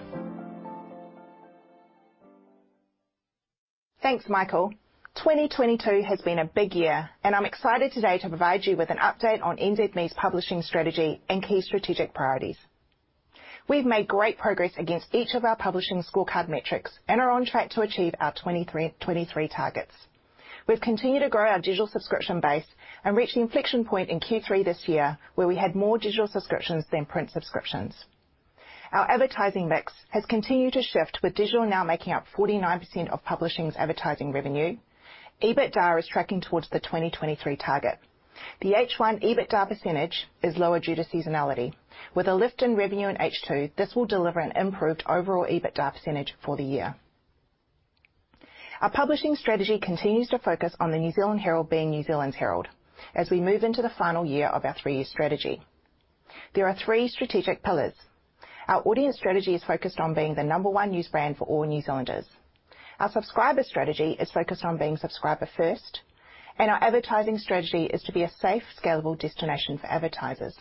Thanks, Michael. 2022 has been a big year, and I'm excited today to provide you with an update on NZME's publishing strategy and key strategic priorities. We've made great progress against each of our publishing scorecard metrics and are on track to achieve our 2023 targets. We've continued to grow our digital subscription base and reached the inflection point in Q3 this year where we had more digital subscriptions than print subscriptions. Our advertising mix has continued to shift, with digital now making up 49% of publishing's advertising revenue. EBITDA is tracking towards the 2023 target. The H1 EBITDA percentage is lower due to seasonality. With a lift in revenue in H2, this will deliver an improved overall EBITDA percentage for the year. Our publishing strategy continues to focus on the New Zealand Herald being New Zealand's Herald as we move into the final year of our three-year strategy. There are three strategic pillars. Our audience strategy is focused on being the number one news brand for all New Zealanders. Our subscriber strategy is focused on being subscriber first, and our advertising strategy is to be a safe, scalable destination for advertisers.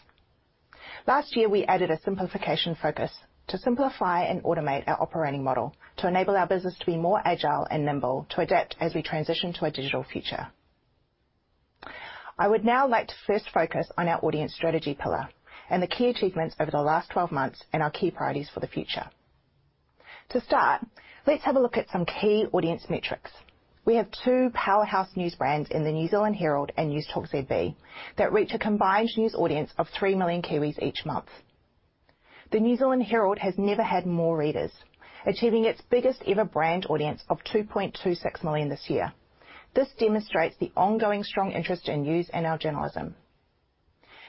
Last year, we added a simplification focus to simplify and automate our operating model to enable our business to be more agile and nimble to adapt as we transition to a digital future. I would now like to first focus on our audience strategy pillar and the key achievements over the last 12 months and our key priorities for the future. To start, let's have a look at some key audience metrics. We have two powerhouse news brands in the New Zealand Herald and Newstalk ZB that reach a combined news audience of 3 million Kiwis each month. The New Zealand Herald has never had more readers, achieving its biggest ever brand audience of 2.26 million this year. This demonstrates the ongoing strong interest in news and our journalism.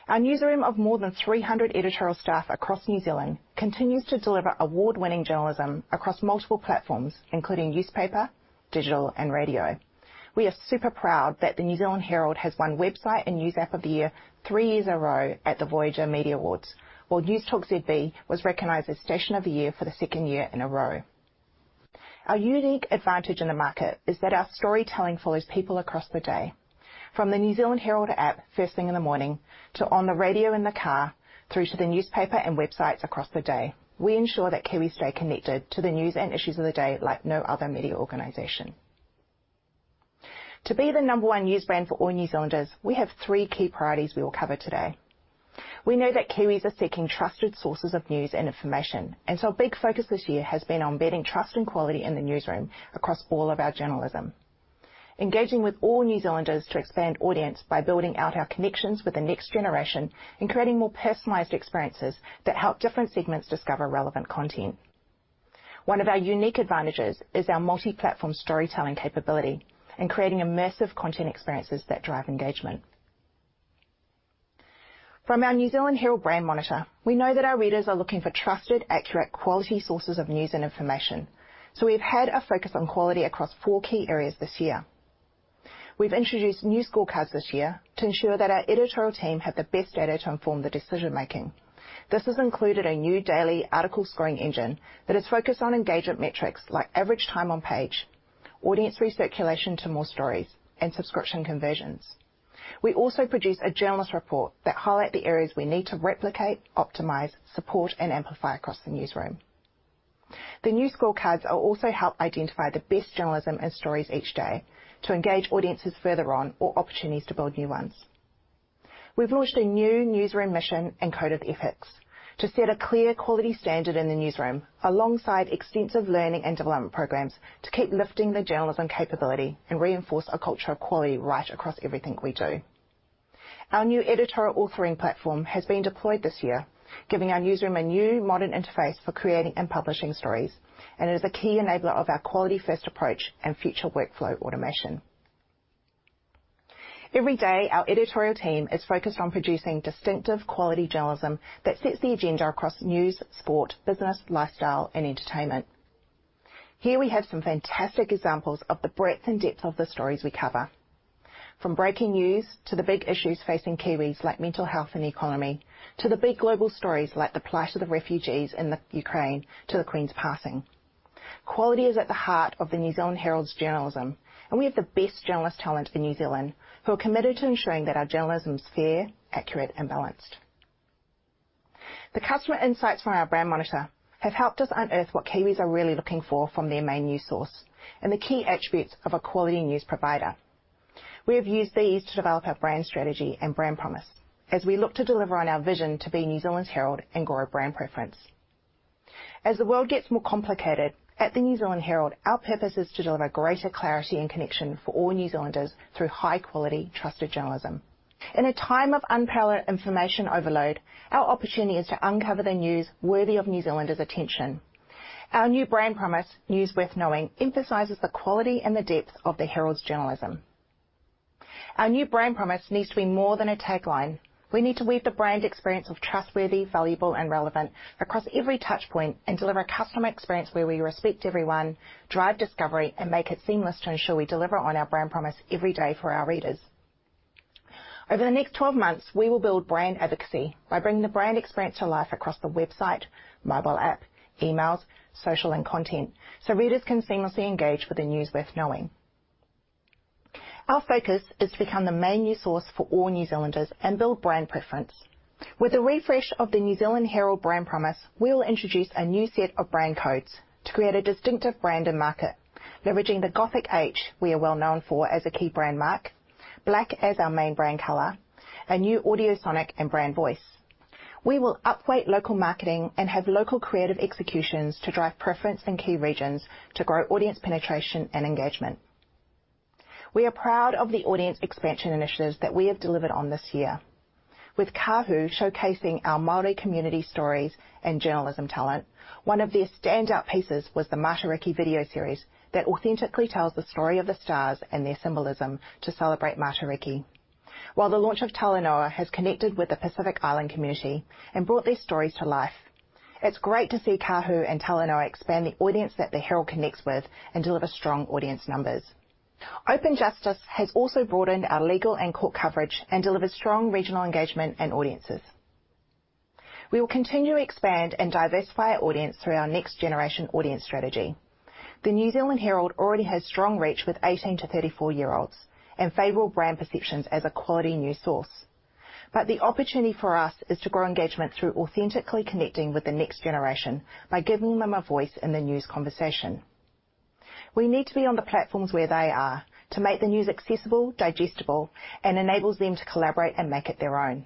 Our newsroom of more than 300 editorial staff across New Zealand continues to deliver award-winning journalism across multiple platforms, including newspaper, digital, and radio. We are super proud that the New Zealand Herald has won Website and News App of the Year three years in a row at the Voyager Media Awards. While Newstalk ZB was recognized as Station of the Year for the second year in a row. Our unique advantage in the market is that our storytelling follows people across the day. From the New Zealand Herald app first thing in the morning, to on the radio in the car through to the newspaper and websites across the day. We ensure that Kiwis stay connected to the news and issues of the day like no other media organization. To be the number one news brand for all New Zealanders, we have three key priorities we will cover today. We know that Kiwis are seeking trusted sources of news and information, and so a big focus this year has been on embedding trust and quality in the newsroom across all of our journalism. Engaging with all New Zealanders to expand audience by building out our connections with the next generation and creating more personalized experiences that help different segments discover relevant content. One of our unique advantages is our multi-platform storytelling capability in creating immersive content experiences that drive engagement. From our New Zealand Herald brand monitor, we know that our readers are looking for trusted, accurate, quality sources of news and information. We've had a focus on quality across four key areas this year. We've introduced new scorecards this year to ensure that our editorial team have the best data to inform the decision-making. This has included a new daily article scoring engine that is focused on engagement metrics like average time on page, audience recirculation to more stories, and subscription conversions. We also produce a journalist report that highlight the areas we need to replicate, optimize, support, and amplify across the newsroom. The new scorecards will also help identify the best journalism and stories each day to engage audiences further on or opportunities to build new ones. We've launched a new newsroom mission and code of ethics to set a clear quality standard in the newsroom alongside extensive learning and development programs to keep lifting the journalism capability and reinforce a culture of quality right across everything we do. Our new editorial authoring platform has been deployed this year, giving our newsroom a new modern interface for creating and publishing stories, and is a key enabler of our quality-first approach and future workflow automation. Every day, our editorial team is focused on producing distinctive quality journalism that sets the agenda across news, sport, business, lifestyle, and entertainment. Here we have some fantastic examples of the breadth and depth of the stories we cover. From breaking news to the big issues facing Kiwis like mental health and economy, to the big global stories like the plight of the refugees in Ukraine to the Queen's passing. Quality is at the heart of the New Zealand Herald's journalism, and we have the best journalist talent in New Zealand who are committed to ensuring that our journalism is fair, accurate, and balanced. The customer insights from our brand monitor have helped us unearth what Kiwis are really looking for from their main news source and the key attributes of a quality news provider. We have used these to develop our brand strategy and brand promise as we look to deliver on our vision to be New Zealand's Herald and grow brand preference. As the world gets more complicated, at the New Zealand Herald, our purpose is to deliver greater clarity and connection for all New Zealanders through high-quality, trusted journalism. In a time of unparalleled information overload, our opportunity is to uncover the news worthy of New Zealanders' attention. Our new brand promise, "News Worth Knowing," emphasizes the quality and the depth of the Herald's journalism. Our new brand promise needs to be more than a tagline. We need to weave the brand experience of trustworthy, valuable, and relevant across every touchpoint and deliver a customer experience where we respect everyone, drive discovery, and make it seamless to ensure we deliver on our brand promise every day for our readers. Over the next 12 months, we will build brand advocacy by bringing the brand experience to life across the website, mobile app, emails, social, and content, so readers can seamlessly engage with the News Worth Knowing. Our focus is to become the main news source for all New Zealanders and build brand preference. With the refresh of the New Zealand Herald brand promise, we will introduce a new set of brand codes to create a distinctive brand and market, leveraging the Gothic H we are well known for as a key brand mark, black as our main brand color, a new audio sonic and brand voice. We will upweight local marketing and have local creative executions to drive preference in key regions to grow audience penetration and engagement. We are proud of the audience expansion initiatives that we have delivered on this year. With Kāhu showcasing our Māori community stories and journalism talent, one of their standout pieces was the Matariki video series that authentically tells the story of the stars and their symbolism to celebrate Matariki. While the launch of Talanoa has connected with the Pacific Island community and brought their stories to life. It's great to see Kāhu and Talanoa expand the audience that the Herald connects with and deliver strong audience numbers. Open Justice has also broadened our legal and court coverage and delivered strong regional engagement and audiences. We will continue to expand and diversify our audience through our next generation audience strategy. The New Zealand Herald already has strong reach with 18 to 34-year-olds and favorable brand perceptions as a quality news source. The opportunity for us is to grow engagement through authentically connecting with the next generation by giving them a voice in the news conversation. We need to be on the platforms where they are to make the news accessible, digestible, and enables them to collaborate and make it their own.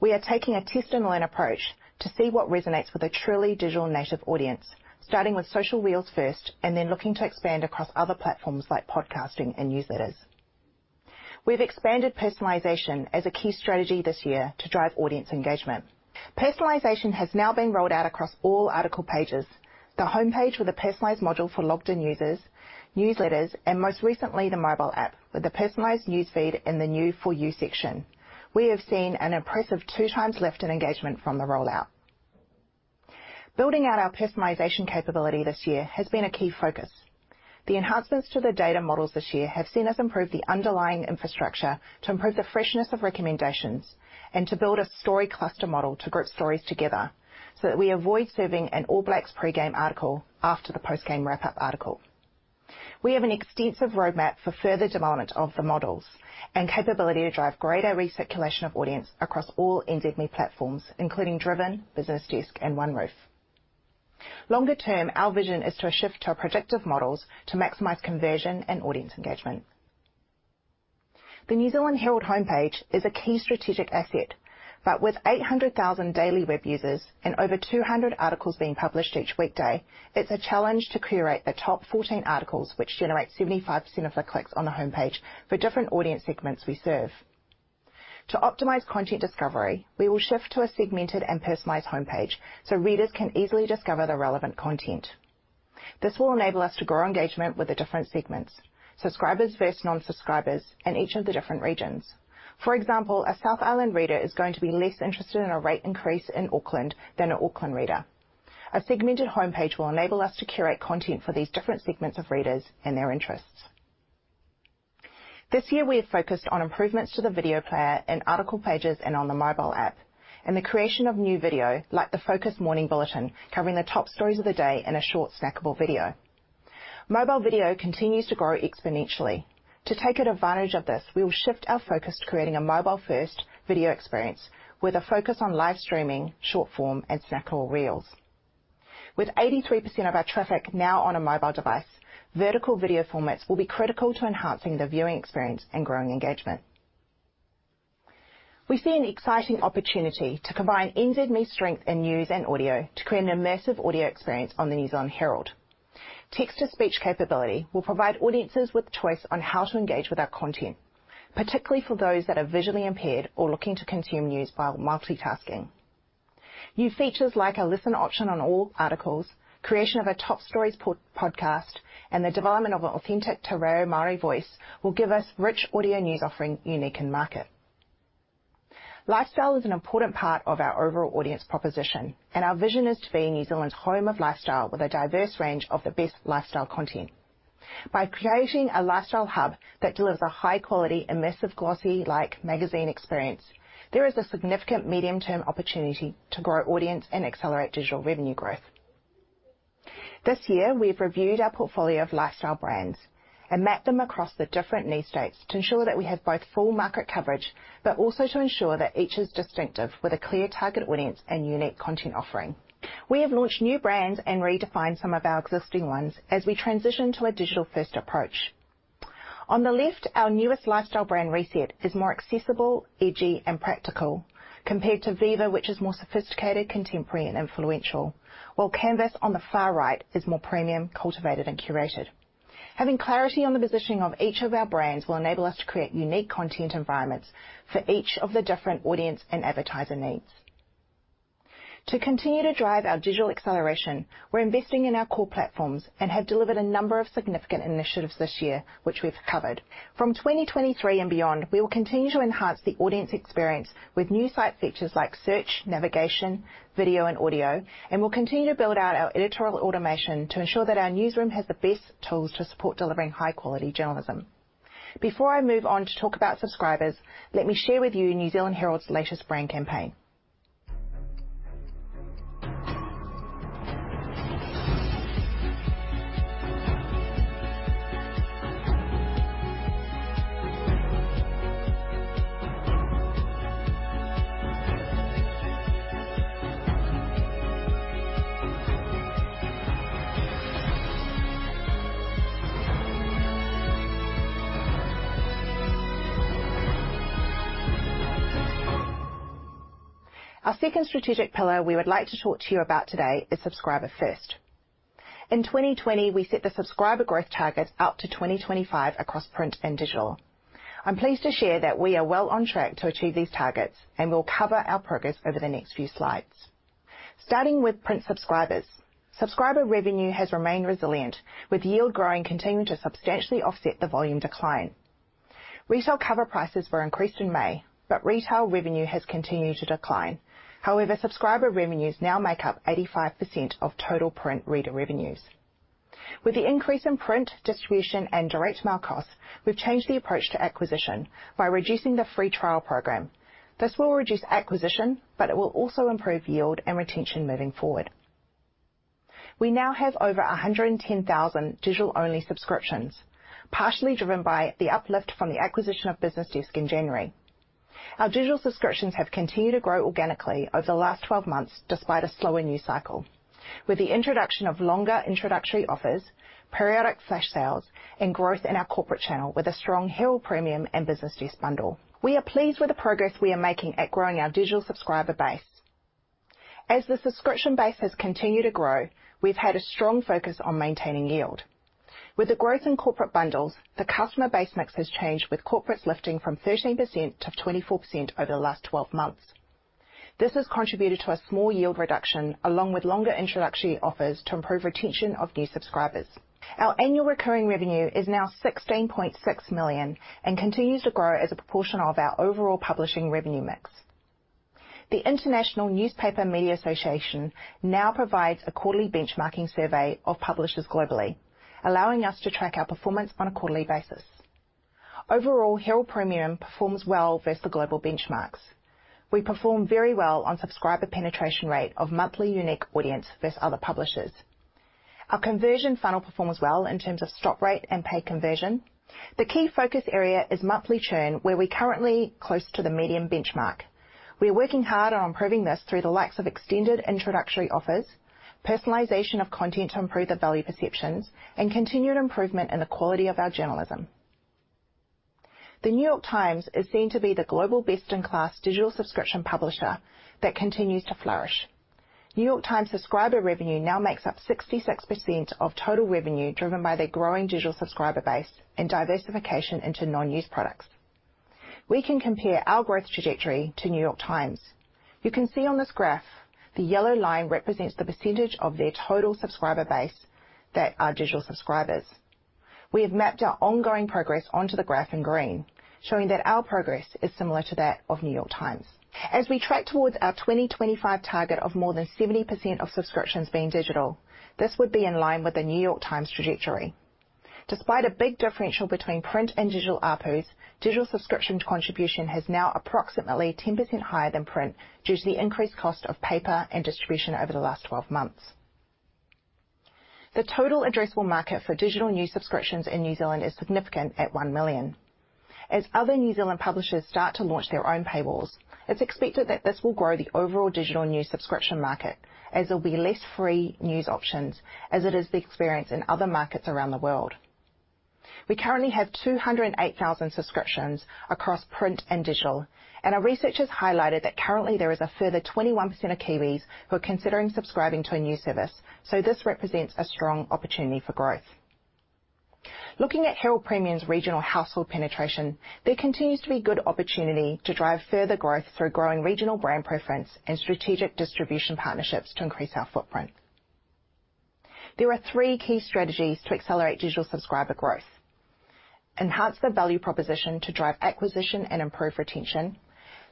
We are taking a test-and-learn approach to see what resonates with a truly digital native audience, starting with social reels first and then looking to expand across other platforms like podcasting and newsletters. We've expanded personalization as a key strategy this year to drive audience engagement. Personalization has now been rolled out across all article pages, the homepage with a personalized module for logged in users, newsletters, and most recently, the mobile app with the personalized news feed in the new For You section. We have seen an impressive 2x lift in engagement from the rollout. Building out our personalization capability this year has been a key focus. The enhancements to the data models this year have seen us improve the underlying infrastructure to improve the freshness of recommendations and to build a story cluster model to group stories together so that we avoid serving an All Blacks pre-game article after the post-game wrap-up article. We have an extensive roadmap for further development of the models and capability to drive greater recirculation of audience across all NZME platforms, including DRIVEN, BusinessDesk, and OneRoof. Longer term, our vision is to shift to our predictive models to maximize conversion and audience engagement. The New Zealand Herald homepage is a key strategic asset, but with 800,000 daily web users and over 200 articles being published each weekday, it's a challenge to curate the top 14 articles which generate 75% of the clicks on the homepage for different audience segments we serve. To optimize content discovery, we will shift to a segmented and personalized homepage so readers can easily discover the relevant content. This will enable us to grow engagement with the different segments, subscribers versus non-subscribers in each of the different regions. For example, a South Island reader is going to be less interested in a rate increase in Auckland than an Auckland reader. A segmented homepage will enable us to curate content for these different segments of readers and their interests. This year we have focused on improvements to the video player and article pages and on the mobile app, and the creation of new video, like the Focus Morning Bulletin, covering the top stories of the day in a short snackable video. Mobile video continues to grow exponentially. To take advantage of this, we will shift our focus to creating a mobile-first video experience with a focus on live streaming, short-form, and snackable reels. With 83% of our traffic now on a mobile device, vertical video formats will be critical to enhancing the viewing experience and growing engagement. We see an exciting opportunity to combine NZME's strength in news and audio to create an immersive audio experience on the New Zealand Herald. Text-to-speech capability will provide audiences with choice on how to engage with our content, particularly for those that are visually impaired or looking to consume news while multitasking. New features like a listen option on all articles, creation of a top stories podcast, and the development of an authentic te reo Māori voice will give us rich audio news offering unique in market. Lifestyle is an important part of our overall audience proposition, and our vision is to be New Zealand's home of lifestyle with a diverse range of the best lifestyle content. By creating a lifestyle hub that delivers a high quality, immersive, glossy, like, magazine experience, there is a significant medium-term opportunity to grow audience and accelerate digital revenue growth. This year, we've reviewed our portfolio of lifestyle brands and mapped them across the different need states to ensure that we have both full market coverage, but also to ensure that each is distinctive with a clear target audience and unique content offering. We have launched new brands and redefined some of our existing ones as we transition to a digital-first approach. On the left, our newest lifestyle brand, Reset, is more accessible, edgy, and practical compared to Viva, which is more sophisticated, contemporary, and influential. While Canvas, on the far right, is more premium, cultivated, and curated. Having clarity on the positioning of each of our brands will enable us to create unique content environments for each of the different audience and advertiser needs. To continue to drive our digital acceleration, we're investing in our core platforms and have delivered a number of significant initiatives this year, which we've covered. From 2023 and beyond, we will continue to enhance the audience experience with new site features like search, navigation, video, and audio, and we'll continue to build out our editorial automation to ensure that our newsroom has the best tools to support delivering high-quality journalism. Before I move on to talk about subscribers, let me share with you New Zealand Herald's latest brand campaign. Our second strategic pillar we would like to talk to you about today is subscriber first. In 2020, we set the subscriber growth target out to 2025 across print and digital. I'm pleased to share that we are well on track to achieve these targets, and we'll cover our progress over the next few slides. Starting with print subscribers. Subscriber revenue has remained resilient, with yield growing continuing to substantially offset the volume decline. Retail cover prices were increased in May, but retail revenue has continued to decline. However, subscriber revenues now make up 85% of total print reader revenues. With the increase in print distribution and direct mail costs, we've changed the approach to acquisition by reducing the free trial program. This will reduce acquisition, but it will also improve yield and retention moving forward. We now have over 110,000 digital-only subscriptions, partially driven by the uplift from the acquisition of BusinessDesk in January. Our digital subscriptions have continued to grow organically over the last 12 months, despite a slower news cycle. With the introduction of longer introductory offers, periodic flash sales, and growth in our corporate channel with a strong Herald Premium and BusinessDesk bundle, we are pleased with the progress we are making at growing our digital subscriber base. As the subscription base has continued to grow, we've had a strong focus on maintaining yield. With the growth in corporate bundles, the customer base mix has changed, with corporates lifting from 13% to 24% over the last 12 months. This has contributed to a small yield reduction, along with longer introductory offers to improve retention of new subscribers. Our annual recurring revenue is now 16.6 million and continues to grow as a proportion of our overall publishing revenue mix. The International News Media Association now provides a quarterly benchmarking survey of publishers globally, allowing us to track our performance on a quarterly basis. Overall, Herald Premium performs well versus the global benchmarks. We perform very well on subscriber penetration rate of monthly unique audience versus other publishers. Our conversion funnel performs well in terms of stop rate and paid conversion. The key focus area is monthly churn, where we're currently close to the medium benchmark. We are working hard on improving this through the likes of extended introductory offers, personalization of content to improve the value perceptions, and continued improvement in the quality of our journalism. The New York Times is seen to be the global best-in-class digital subscription publisher that continues to flourish. New York Times subscriber revenue now makes up 66% of total revenue, driven by their growing digital subscriber base and diversification into non-news products. We can compare our growth trajectory to New York Times. You can see on this graph, the yellow line represents the percentage of their total subscriber base that are digital subscribers. We have mapped our ongoing progress onto the graph in green, showing that our progress is similar to that of New York Times. As we track towards our 2025 target of more than 70% of subscriptions being digital, this would be in line with the New York Times trajectory. Despite a big differential between print and digital ARPU, digital subscription contribution is now approximately 10% higher than print due to the increased cost of paper and distribution over the last 12 months. The total addressable market for digital news subscriptions in New Zealand is significant at 1 million. As other New Zealand publishers start to launch their own paywalls, it's expected that this will grow the overall digital news subscription market as there'll be less free news options, as it is the experience in other markets around the world. We currently have 208,000 subscriptions across print and digital, and our research has highlighted that currently there is a further 21% of Kiwis who are considering subscribing to a new service. This represents a strong opportunity for growth. Looking at Herald Premium's regional household penetration, there continues to be good opportunity to drive further growth through growing regional brand preference and strategic distribution partnerships to increase our footprint. There are three key strategies to accelerate digital subscriber growth. Enhance the value proposition to drive acquisition and improve retention.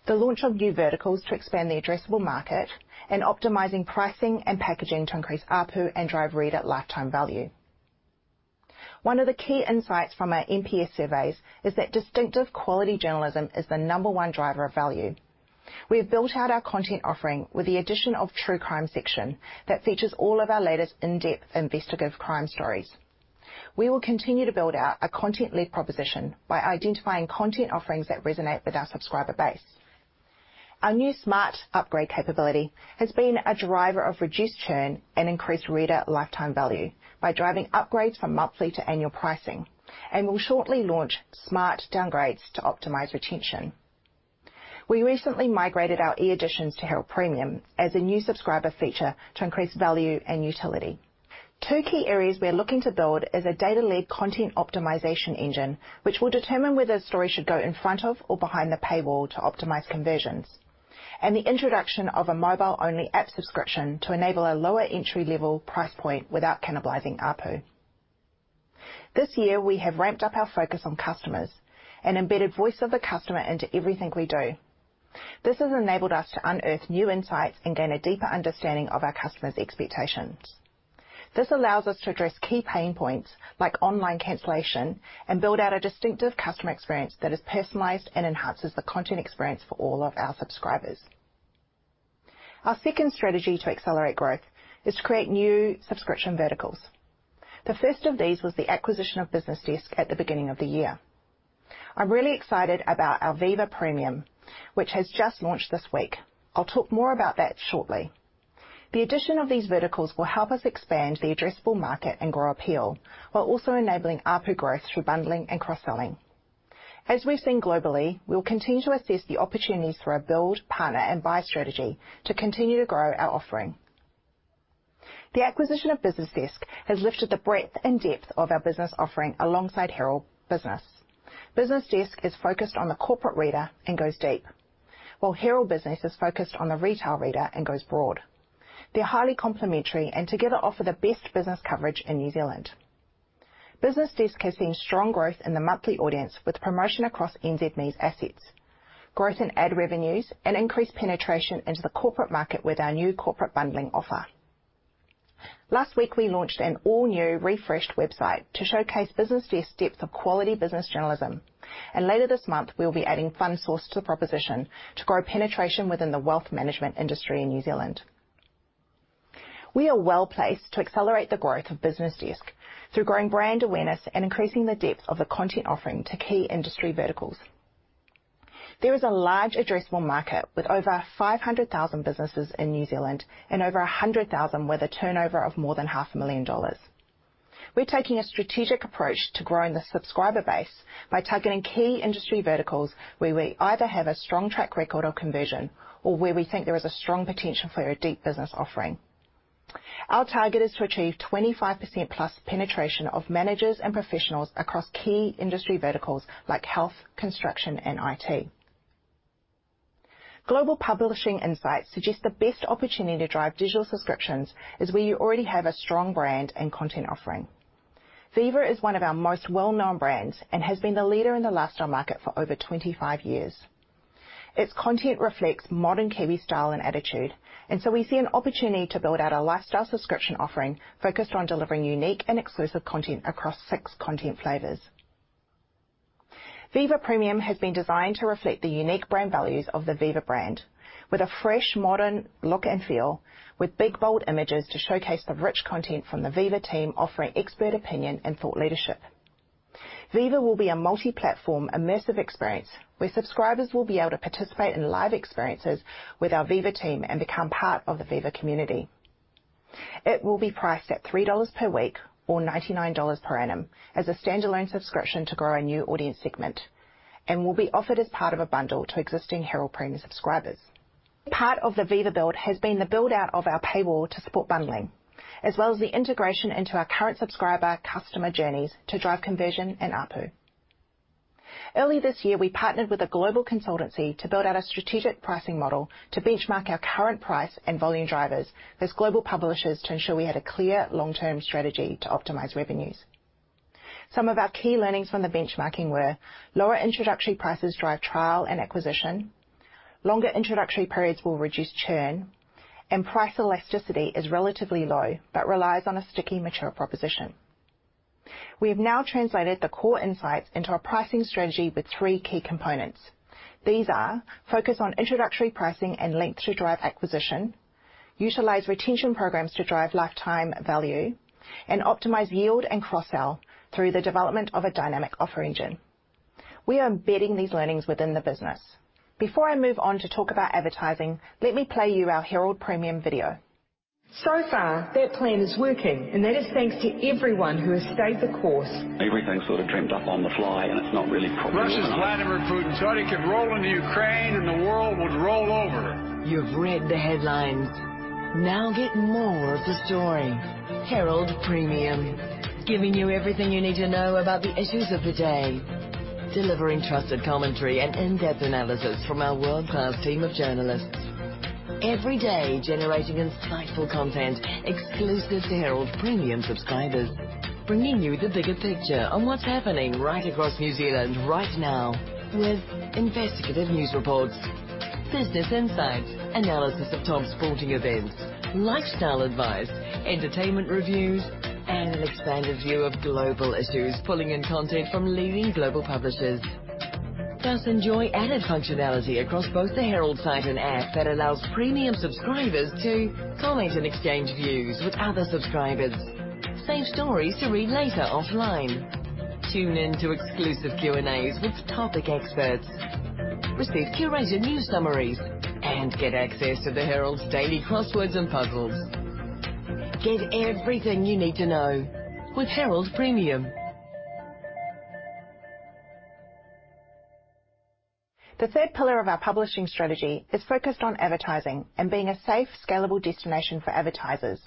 The launch of new verticals to expand the addressable market. Optimizing pricing and packaging to increase ARPU and drive reader lifetime value. One of the key insights from our NPS surveys is that distinctive quality journalism is the number-one driver of value. We have built out our content offering with the addition of True Crime section that features all of our latest in-depth investigative crime stories. We will continue to build out a content-led proposition by identifying content offerings that resonate with our subscriber base. Our new smart upgrade capability has been a driver of reduced churn and increased reader lifetime value by driving upgrades from monthly to annual pricing and will shortly launch smart downgrades to optimize retention. We recently migrated our e-editions to Herald Premium as a new subscriber feature to increase value and utility. Two key areas we are looking to build is a data-led content optimization engine, which will determine whether a story should go in front of or behind the paywall to optimize conversions, and the introduction of a mobile-only app subscription to enable a lower entry-level price point without cannibalizing ARPU. This year we have ramped up our focus on customers and embedded voice of the customer into everything we do. This has enabled us to unearth new insights and gain a deeper understanding of our customers' expectations. This allows us to address key pain points like online cancellation and build out a distinctive customer experience that is personalized and enhances the content experience for all of our subscribers. Our second strategy to accelerate growth is to create new subscription verticals. The first of these was the acquisition of BusinessDesk at the beginning of the year. I'm really excited about our Viva Premium, which has just launched this week. I'll talk more about that shortly. The addition of these verticals will help us expand the addressable market and grow appeal while also enabling ARPU growth through bundling and cross-selling. As we've seen globally, we will continue to assess the opportunities for our build, partner, and buy strategy to continue to grow our offering. The acquisition of BusinessDesk has lifted the breadth and depth of our business offering alongside Herald Business. BusinessDesk is focused on the corporate reader and goes deep, while Herald Business is focused on the retail reader and goes broad. They're highly complementary and together offer the best business coverage in New Zealand. BusinessDesk has seen strong growth in the monthly audience with promotion across NZME's assets, growth in ad revenues, and increased penetration into the corporate market with our new corporate bundling offer. Last week, we launched an all-new refreshed website to showcase BusinessDesk's depth of quality business journalism, and later this month, we will be adding FundSource to the proposition to grow penetration within the wealth management industry in New Zealand. We are well-placed to accelerate the growth of BusinessDesk through growing brand awareness and increasing the depth of the content offering to key industry verticals. There is a large addressable market with over 500,000 businesses in New Zealand and over 100,000 with a turnover of more than 500,000 dollars. We're taking a strategic approach to growing the subscriber base by targeting key industry verticals where we either have a strong track record of conversion or where we think there is a strong potential for our deep business offering. Our target is to achieve 25%+ penetration of managers and professionals across key industry verticals like health, construction, and IT. Global publishing insights suggest the best opportunity to drive digital subscriptions is where you already have a strong brand and content offering. Viva is one of our most well-known brands and has been the leader in the lifestyle market for over 25 years. Its content reflects modern Kiwi style and attitude, and so we see an opportunity to build out a lifestyle subscription offering focused on delivering unique and exclusive content across six content flavors. Viva Premium has been designed to reflect the unique brand values of the Viva brand with a fresh, modern look and feel with big, bold images to showcase the rich content from the Viva team, offering expert opinion and thought leadership. Viva will be a multi-platform, immersive experience where subscribers will be able to participate in live experiences with our Viva team and become part of the Viva community. It will be priced at 3 dollars per week or 99 dollars per annum as a standalone subscription to grow a new audience segment and will be offered as part of a bundle to existing Herald Premium subscribers. Part of the Viva build has been the build-out of our paywall to support bundling, as well as the integration into our current subscriber customer journeys to drive conversion and ARPU. Early this year, we partnered with a global consultancy to build out a strategic pricing model to benchmark our current price and volume drivers as global publishers to ensure we had a clear long-term strategy to optimize revenues. Some of our key learnings from the benchmarking were lower introductory prices drive trial and acquisition, longer introductory periods will reduce churn, and price elasticity is relatively low, but relies on a sticky, mature proposition. We have now translated the core insights into our pricing strategy with three key components. These are focus on introductory pricing and length to drive acquisition, utilize retention programs to drive lifetime value, and optimize yield and cross-sell through the development of a dynamic offer engine. We are embedding these learnings within the business. Before I move on to talk about advertising, let me play you our Herald Premium video. So far, that plan is working, and that is thanks to everyone who has stayed the course. Everything sort of dreamed up on the fly, and it's not really properly thought out. Russia's Vladimir Putin thought he could roll into Ukraine and the world would roll over. You've read the headlines. Now get more of the story. Herald Premium, giving you everything you need to know about the issues of the day. Delivering trusted commentary and in-depth analysis from our world-class team of journalists. Every day, generating insightful content exclusive to Herald Premium subscribers. Bringing you the bigger picture on what's happening right across New Zealand right now with investigative news reports, business insights, analysis of top sporting events, lifestyle advice, entertainment reviews, and an expanded view of global issues, pulling in content from leading global publishers. Plus, enjoy added functionality across both the Herald site and app that allows premium subscribers to comment and exchange views with other subscribers, save stories to read later offline. Tune in to exclusive Q&As with topic experts, receive curated news summaries, and get access to the Herald's daily crosswords and puzzles. Get everything you need to know with Herald Premium. The third pillar of our publishing strategy is focused on advertising and being a safe, scalable destination for advertisers.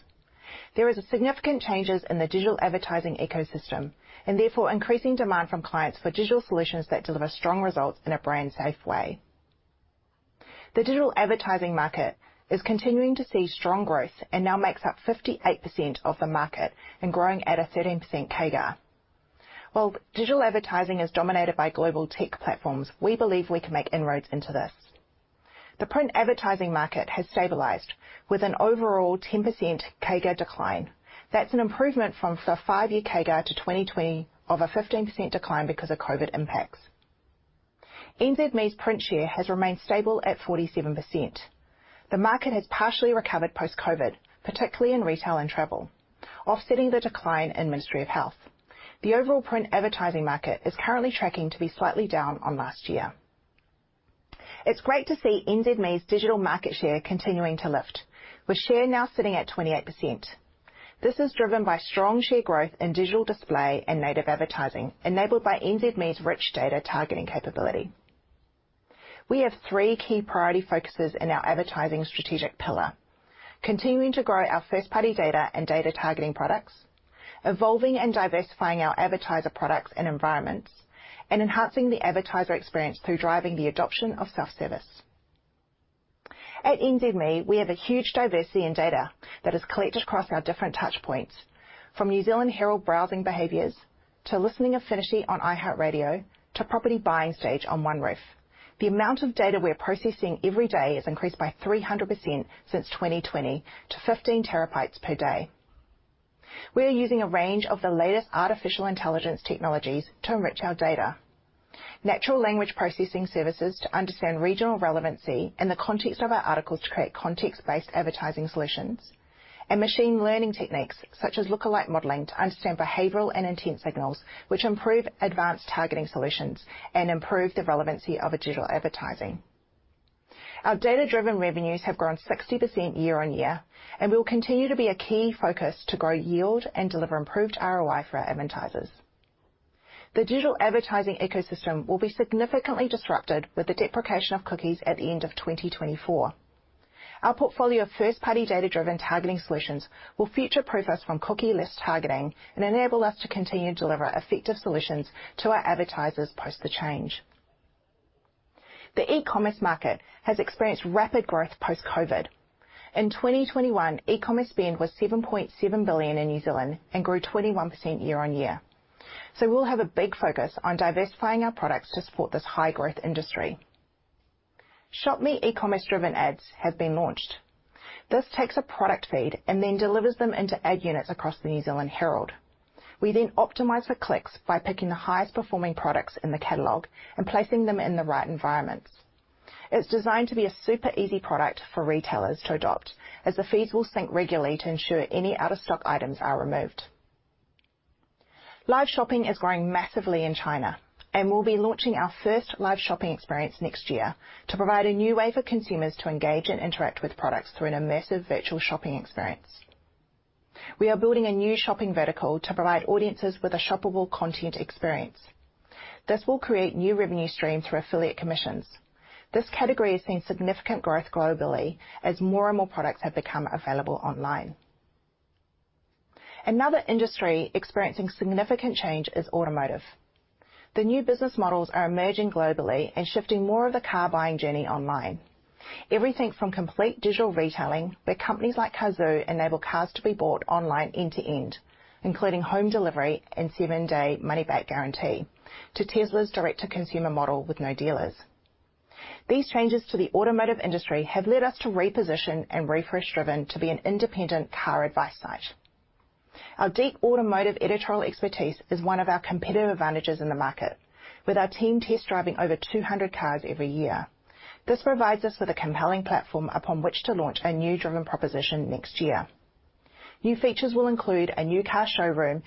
There is significant changes in the digital advertising ecosystem and therefore increasing demand from clients for digital solutions that deliver strong results in a brand-safe way. The digital advertising market is continuing to see strong growth and now makes up 58% of the market and growing at a 13% CAGR. While digital advertising is dominated by global tech platforms, we believe we can make inroads into this. The print advertising market has stabilized with an overall 10% CAGR decline. That's an improvement from the five-year CAGR to 2020 of a 15% decline because of COVID impacts. NZME's print share has remained stable at 47%. The market has partially recovered post-COVID, particularly in retail and travel, offsetting the decline in Ministry of Health. The overall print advertising market is currently tracking to be slightly down on last year. It's great to see NZME's digital market share continuing to lift, with share now sitting at 28%. This is driven by strong share growth in digital display and native advertising enabled by NZME's rich data targeting capability. We have three key priority focuses in our advertising strategic pillar. Continuing to grow our first-party data and data targeting products, evolving and diversifying our advertiser products and environments, and enhancing the advertiser experience through driving the adoption of self-service. At NZME, we have a huge diversity in data that is collected across our different touchpoints, from New Zealand Herald browsing behaviors to listening affinity on iHeartRadio to property buying stage on OneRoof. The amount of data we're processing every day has increased by 300% since 2020 to 15 TBpd. We are using a range of the latest artificial intelligence technologies to enrich our data. Natural language processing services to understand regional relevancy and the context of our articles to create context-based advertising solutions and machine learning techniques such as look-alike modeling to understand behavioral and intent signals which improve advanced targeting solutions and improve the relevancy of our digital advertising. Our data-driven revenues have grown 60% year-on-year, and will continue to be a key focus to grow yield and deliver improved ROI for our advertisers. The digital advertising ecosystem will be significantly disrupted with the deprecation of cookies at the end of 2024. Our portfolio of first-party data-driven targeting solutions will future-proof us from cookieless targeting and enable us to continue to deliver effective solutions to our advertisers post the change. The e-commerce market has experienced rapid growth post-COVID. In 2021, e-commerce spend was 7.7 billion in New Zealand and grew 21% year-on-year. We'll have a big focus on diversifying our products to support this high-growth industry. ShopMe e-commerce driven ads have been launched. This takes a product feed and then delivers them into ad units across the New Zealand Herald. We then optimize for clicks by picking the highest performing products in the catalog and placing them in the right environments. It's designed to be a super easy product for retailers to adopt, as the feeds will sync regularly to ensure any out-of-stock items are removed. Live shopping is growing massively in China, and we'll be launching our first live shopping experience next year to provide a new way for consumers to engage and interact with products through an immersive virtual shopping experience. We are building a new shopping vertical to provide audiences with a shoppable content experience. This will create new revenue streams through affiliate commissions. This category has seen significant growth globally as more and more products have become available online. Another industry experiencing significant change is automotive. The new business models are emerging globally and shifting more of the car buying journey online. Everything from complete digital retailing by companies like Cazoo enable cars to be bought online end to end, including home delivery and seven-day money back guarantee, to Tesla's direct-to-consumer model with no dealers. These changes to the automotive industry have led us to reposition and refresh DRIVEN to be an independent car advice site. Our deep automotive editorial expertise is one of our competitive advantages in the market with our team test driving over 200 cars every year. This provides us with a compelling platform upon which to launch a new DRIVEN proposition next year. New features will include a new car showroom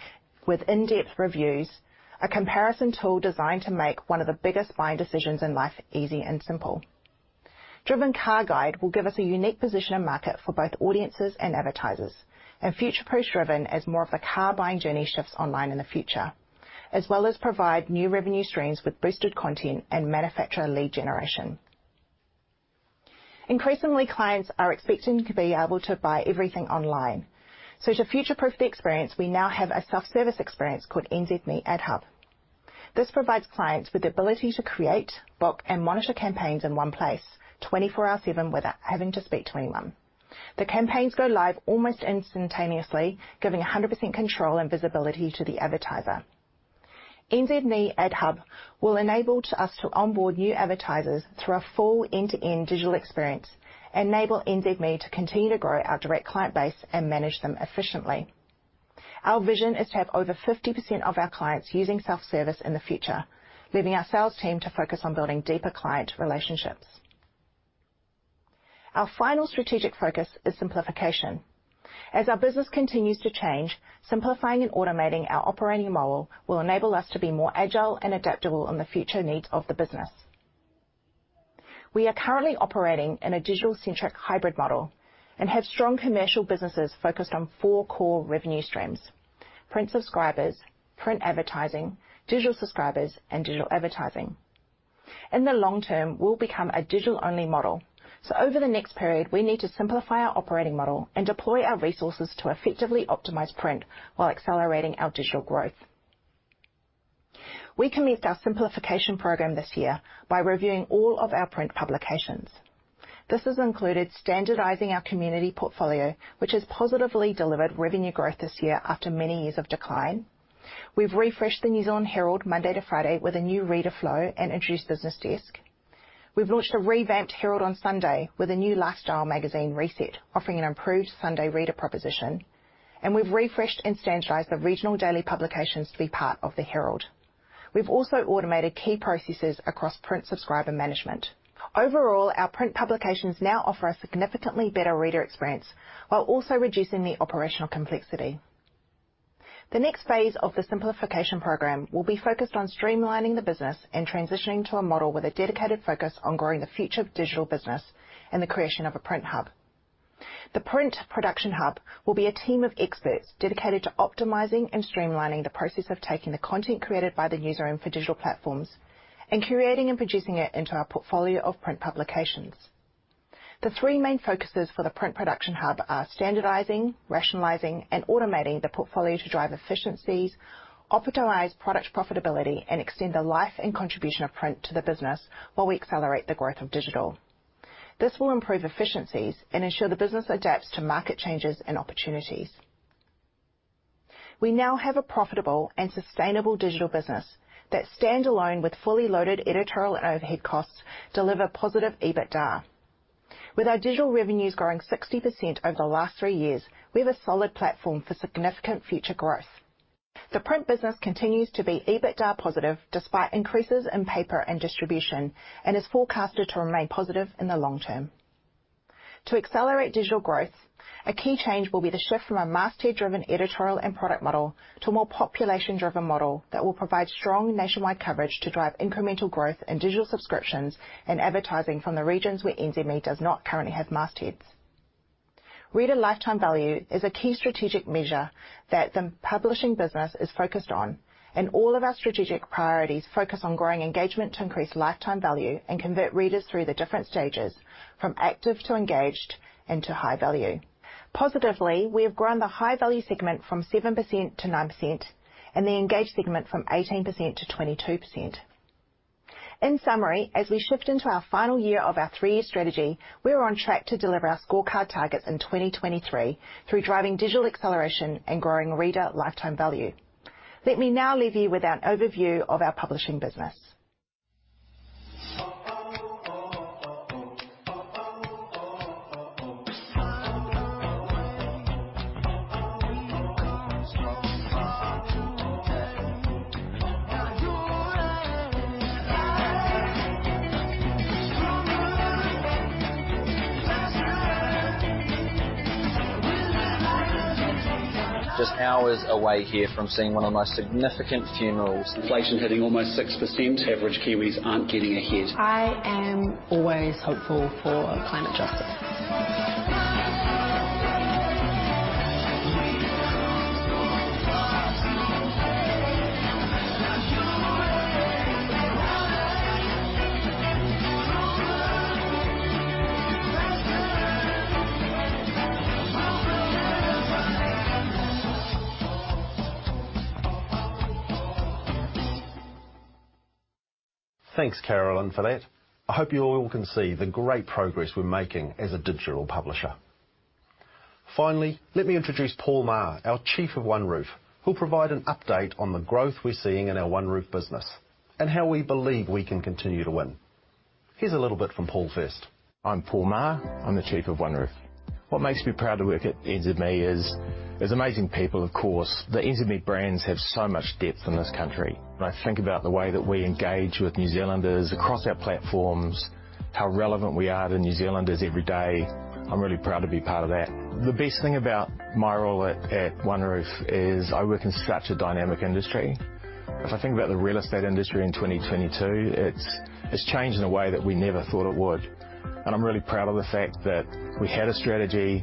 with in-depth reviews, a comparison tool designed to make one of the biggest buying decisions in life easy and simple. DRIVEN Car Guide will give us a unique position in market for both audiences and advertisers and future-proof DRIVEN as more of the car buying journey shifts online in the future, as well as provide new revenue streams with boosted content and manufacturer lead generation. Increasingly, clients are expecting to be able to buy everything online. To future-proof the experience, we now have a self-service experience called NZME Adhub. This provides clients with the ability to create, book, and monitor campaigns in one place, 24/7, without having to speak to anyone. The campaigns go live almost instantaneously, giving 100% control and visibility to the advertiser. NZME Adhub will enable us to onboard new advertisers through a full end-to-end digital experience and enable NZME to continue to grow our direct client base and manage them efficiently. Our vision is to have over 50% of our clients using self-service in the future, leaving our sales team to focus on building deeper client relationships. Our final strategic focus is simplification. As our business continues to change, simplifying and automating our operating model will enable us to be more agile and adaptable in the future needs of the business. We are currently operating in a digital-centric hybrid model and have strong commercial businesses focused on four core revenue streams. Print subscribers, print advertising, digital subscribers, and digital advertising. In the long term, we'll become a digital-only model, so over the next period, we need to simplify our operating model and deploy our resources to effectively optimize print while accelerating our digital growth. We commenced our simplification program this year by reviewing all of our print publications. This has included standardizing our community portfolio, which has positively delivered revenue growth this year after many years of decline. We've refreshed the New Zealand Herald Monday to Friday with a new reader flow and introduced BusinessDesk. We've launched a revamped Herald on Sunday with a new lifestyle magazine, Reset, offering an improved Sunday reader proposition. We've refreshed and standardized the regional daily publications to be part of the Herald. We've also automated key processes across print subscriber management. Overall, our print publications now offer a significantly better reader experience while also reducing the operational complexity. The next phase of the simplification program will be focused on streamlining the business and transitioning to a model with a dedicated focus on growing the future of digital business and the creation of a print hub. The print production hub will be a team of experts dedicated to optimizing and streamlining the process of taking the content created by the newsroom for digital platforms and curating and producing it into our portfolio of print publications. The three main focuses for the print production hub are standardizing, rationalizing, and automating the portfolio to drive efficiencies, optimize product profitability, and extend the life and contribution of print to the business while we accelerate the growth of digital. This will improve efficiencies and ensure the business adapts to market changes and opportunities. We now have a profitable and sustainable digital business that stand alone with fully loaded editorial and overhead costs deliver positive EBITDA. With our digital revenues growing 60% over the last three years, we have a solid platform for significant future growth. The print business continues to be EBITDA positive despite increases in paper and distribution, and is forecasted to remain positive in the long term. To accelerate digital growth, a key change will be the shift from a masthead-driven editorial and product model to a more population-driven model that will provide strong nationwide coverage to drive incremental growth in digital subscriptions and advertising from the regions where NZME does not currently have mastheads. Reader lifetime value is a key strategic measure that the publishing business is focused on, and all of our strategic priorities focus on growing engagement to increase lifetime value and convert readers through the different stages from active to engaged and to high value. Positively, we have grown the high value segment from 7%-9% and the engaged segment from 18%-22%. In summary, as we shift into our final year of our three-year strategy, we're on track to deliver our scorecard targets in 2023 through driving digital acceleration and growing reader lifetime value. Let me now leave you with an overview of our publishing business. Just hours away here from seeing one of the most significant funerals. Inflation hitting almost 6%. Average Kiwis aren't getting ahead. I am always hopeful for climate justice. Thanks, Carolyn, for that. I hope you all can see the great progress we're making as a digital publisher. Finally, let me introduce Paul Maher, our Chief of OneRoof, who'll provide an update on the growth we're seeing in our OneRoof business and how we believe we can continue to win. Here's a little bit from Paul first. I'm Paul Maher. I'm the Chief of OneRoof. What makes me proud to work at NZME is there's amazing people, of course. The NZME brands have so much depth in this country. When I think about the way that we engage with New Zealanders across our platforms, how relevant we are to New Zealanders every day, I'm really proud to be part of that. The best thing about my role at OneRoof is I work in such a dynamic industry. If I think about the real estate industry in 2022, it's changed in a way that we never thought it would. I'm really proud of the fact that we had a strategy,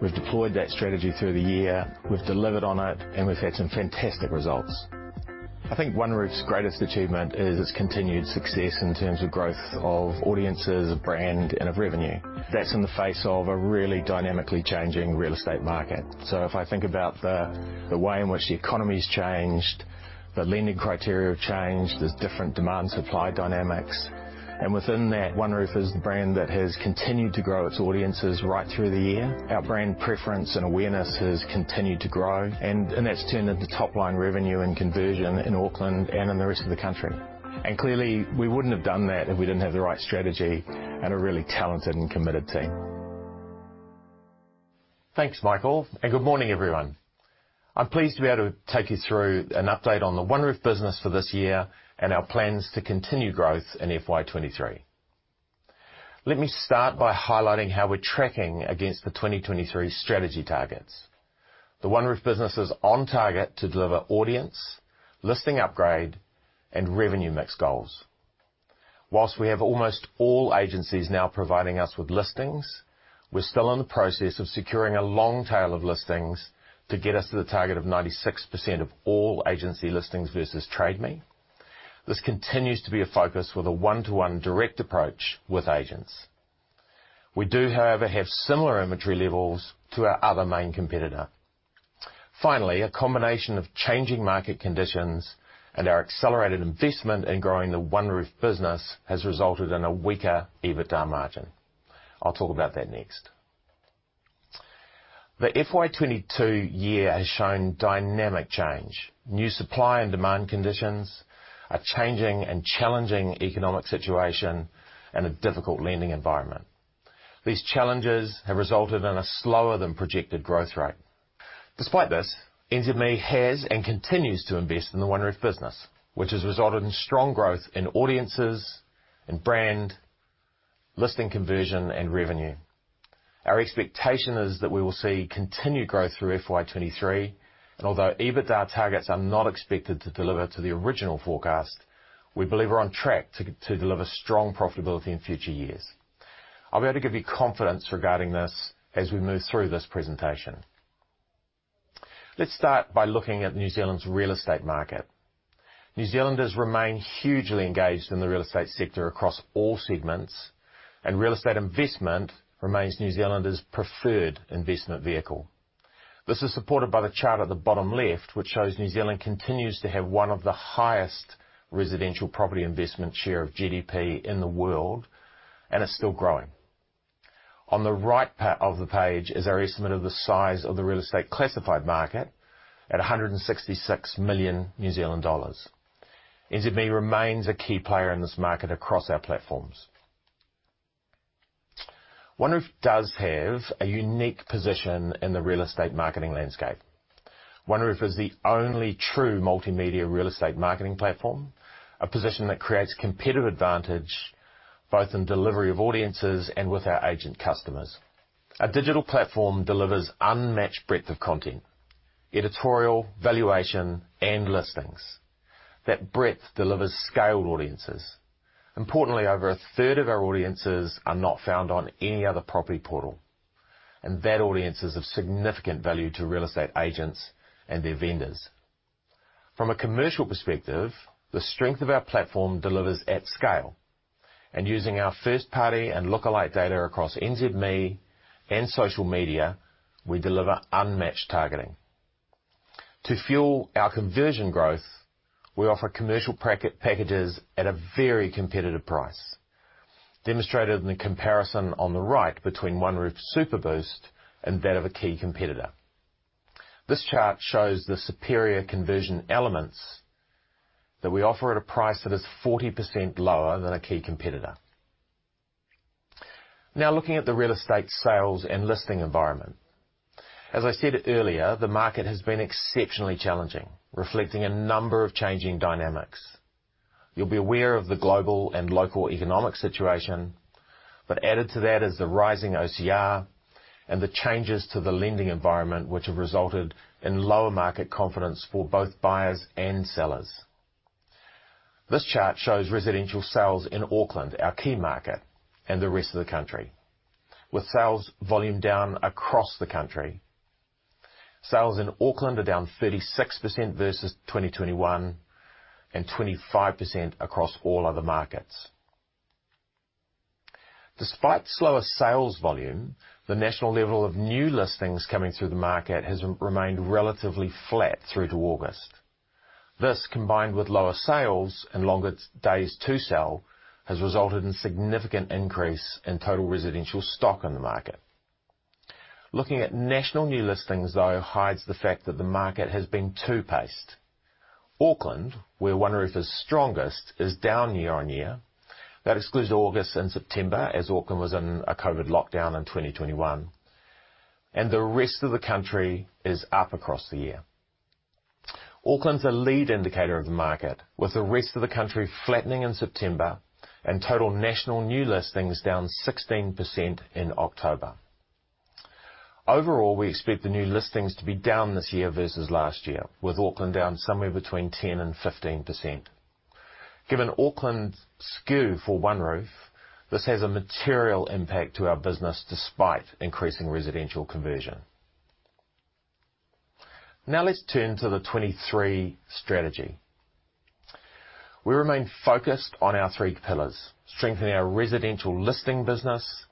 we've deployed that strategy through the year, we've delivered on it, and we've had some fantastic results. I think OneRoof's greatest achievement is its continued success in terms of growth of audiences, of brand, and of revenue. That's in the face of a really dynamically changing real estate market. If I think about the way in which the economy's changed, the lending criteria have changed, there's different demand/supply dynamics. Within that, OneRoof is the brand that has continued to grow its audiences right through the year. Our brand preference and awareness has continued to grow. That's turned into top-line revenue and conversion in Auckland and in the rest of the country. Clearly, we wouldn't have done that if we didn't have the right strategy and a really talented and committed team. Thanks, Michael, and good morning everyone. I'm pleased to be able to take you through an update on the OneRoof business for this year and our plans to continue growth in FY 2023. Let me start by highlighting how we're tracking against the 2023 strategy targets. The OneRoof business is on target to deliver audience, listing upgrade, and revenue mix goals. While we have almost all agencies now providing us with listings, we're still in the process of securing a long tail of listings to get us to the target of 96% of all agency listings versus Trade Me. This continues to be a focus with a one-to-one direct approach with agents. We do, however, have similar imagery levels to our other main competitor. Finally, a combination of changing market conditions and our accelerated investment in growing the OneRoof business has resulted in a weaker EBITDA margin. I'll talk about that next. The FY 2022 year has shown dynamic change, new supply and demand conditions, a changing and challenging economic situation, and a difficult lending environment. These challenges have resulted in a slower than projected growth rate. Despite this, NZME has and continues to invest in the OneRoof business, which has resulted in strong growth in audiences, in brand, listing conversion, and revenue. Our expectation is that we will see continued growth through FY 2023, and although EBITDA targets are not expected to deliver to the original forecast, we believe we're on track to deliver strong profitability in future years. I'll be able to give you confidence regarding this as we move through this presentation. Let's start by looking at New Zealand's real estate market. New Zealanders remain hugely engaged in the real estate sector across all segments, and real estate investment remains New Zealanders' preferred investment vehicle. This is supported by the chart at the bottom left, which shows New Zealand continues to have one of the highest residential property investment share of GDP in the world, and is still growing. On the right of the page is our estimate of the size of the real estate classified market at 166 million New Zealand dollars. NZME remains a key player in this market across our platforms. OneRoof does have a unique position in the real estate marketing landscape. OneRoof is the only true multimedia real estate marketing platform, a position that creates competitive advantage both in delivery of audiences and with our agent customers. Our digital platform delivers unmatched breadth of content, editorial, valuation, and listings. That breadth delivers scaled audiences. Importantly, over a 1/3 of our audiences are not found on any other property portal, and that audience is of significant value to real estate agents and their vendors. From a commercial perspective, the strength of our platform delivers at scale, and using our first-party and look-alike data across NZME and social media, we deliver unmatched targeting. To fuel our conversion growth, we offer commercial packages at a very competitive price, demonstrated in the comparison on the right between OneRoof SuperBoost and that of a key competitor. This chart shows the superior conversion elements that we offer at a price that is 40% lower than a key competitor. Now looking at the real estate sales and listing environment. As I said earlier, the market has been exceptionally challenging, reflecting a number of changing dynamics. You'll be aware of the global and local economic situation, but added to that is the rising OCR and the changes to the lending environment, which have resulted in lower market confidence for both buyers and sellers. This chart shows residential sales in Auckland, our key market, and the rest of the country, with sales volume down across the country. Sales in Auckland are down 36% versus 2021, and 25% across all other markets. Despite slower sales volume, the national level of new listings coming through the market has remained relatively flat through to August. This, combined with lower sales and longer days to sell, has resulted in significant increase in total residential stock in the market. Looking at national new listings, though, hides the fact that the market has been two-paced. Auckland, where OneRoof is strongest, is down year on year. That excludes August and September, as Auckland was in a COVID lockdown in 2021. The rest of the country is up across the year. Auckland's a lead indicator of the market, with the rest of the country flattening in September and total national new listings down 16% in October. Overall, we expect the new listings to be down this year versus last year, with Auckland down somewhere between 10% and 15%. Given Auckland's skew for OneRoof, this has a material impact to our business despite increasing residential conversion. Now let's turn to the 2023 strategy. We remain focused on our three pillars. Strengthening our residential listing business,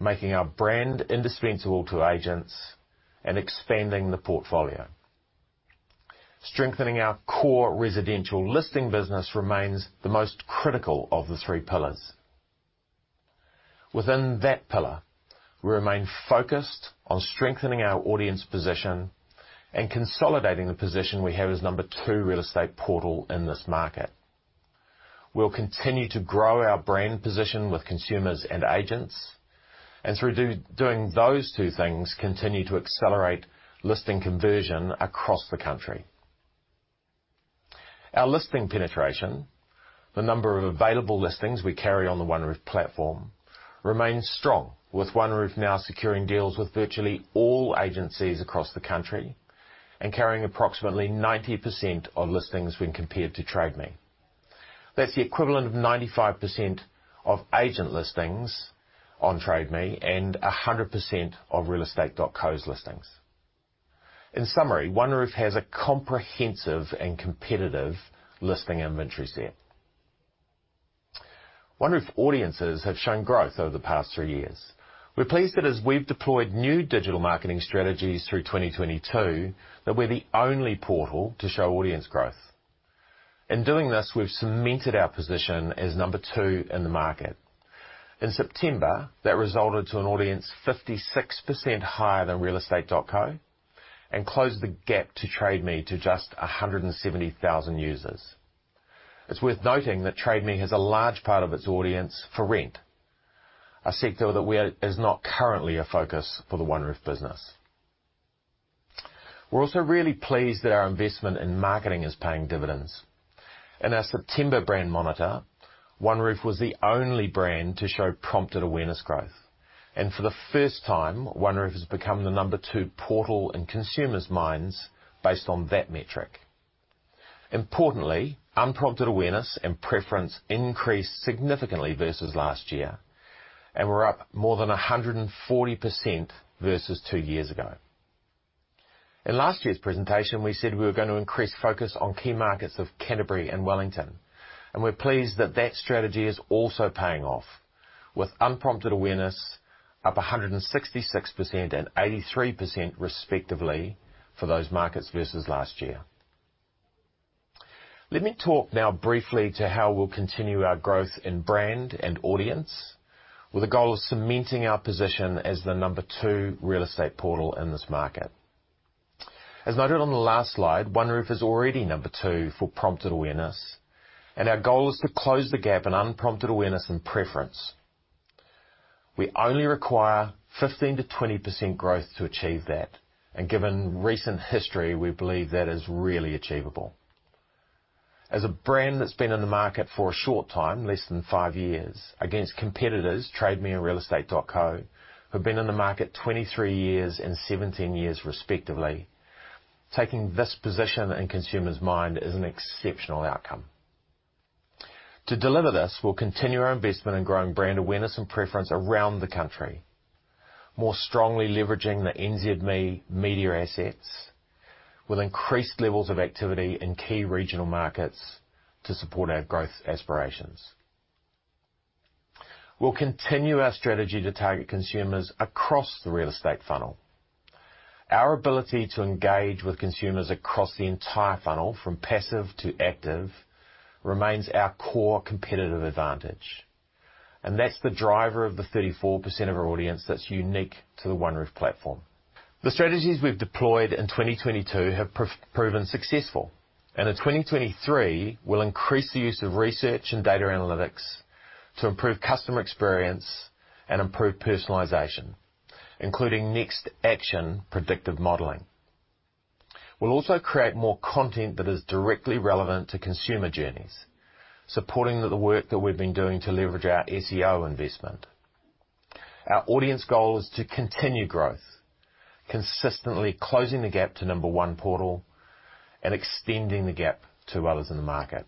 making our brand indispensable to agents, and expanding the portfolio. Strengthening our core residential listing business remains the most critical of the three pillars. Within that pillar, we remain focused on strengthening our audience position and consolidating the position we have as number two real estate portal in this market. We'll continue to grow our brand position with consumers and agents, and through doing those two things, continue to accelerate listing conversion across the country. Our listing penetration, the number of available listings we carry on the OneRoof platform, remains strong, with OneRoof now securing deals with virtually all agencies across the country and carrying approximately 90% of listings when compared to Trade Me. That's the equivalent of 95% of agent listings on Trade Me and 100% of realestate.co.nz's listings. In summary, OneRoof has a comprehensive and competitive listing inventory set. OneRoof audiences have shown growth over the past three years. We're pleased that as we've deployed new digital marketing strategies through 2022, that we're the only portal to show audience growth. In doing this, we've cemented our position as number two in the market. In September, that resulted to an audience 56% higher than realestate.co.nz and closed the gap to Trade Me to just 170,000 users. It's worth noting that Trade Me has a large part of its audience for rent, a sector that is not currently a focus for the OneRoof business. We're also really pleased that our investment in marketing is paying dividends. In our September brand monitor, OneRoof was the only brand to show prompted awareness growth. For the first time, OneRoof has become the number two portal in consumers' minds based on that metric. Importantly, unprompted awareness and preference increased significantly versus last year, and we're up more than 140% versus two years ago. In last year's presentation, we said we were gonna increase focus on key markets of Canterbury and Wellington, and we're pleased that that strategy is also paying off with unprompted awareness up 166% and 83%, respectively, for those markets versus last year. Let me talk now briefly to how we'll continue our growth in brand and audience with the goal of cementing our position as the number two real estate portal in this market. As noted on the last slide, OneRoof is already number two for prompted awareness, and our goal is to close the gap in unprompted awareness and preference. We only require 15%-20% growth to achieve that, given recent history, we believe that is really achievable. As a brand that's been in the market for a short time, less than five years, against competitors Trade Me and realestate.co.nz, who've been in the market 23 years and 17 years, respectively, taking this position in consumers' mind is an exceptional outcome. To deliver this, we'll continue our investment in growing brand awareness and preference around the country, more strongly leveraging the NZME media assets with increased levels of activity in key regional markets to support our growth aspirations. We'll continue our strategy to target consumers across the real estate funnel. Our ability to engage with consumers across the entire funnel, from passive to active, remains our core competitive advantage, and that's the driver of the 34% of our audience that's unique to the OneRoof platform. The strategies we've deployed in 2022 have proven successful, and in 2023, we'll increase the use of research and data analytics to improve customer experience and improve personalization, including next action predictive modeling. We'll also create more content that is directly relevant to consumer journeys, supporting the work that we've been doing to leverage our SEO investment. Our audience goal is to continue growth, consistently closing the gap to number one portal and extending the gap to others in the market.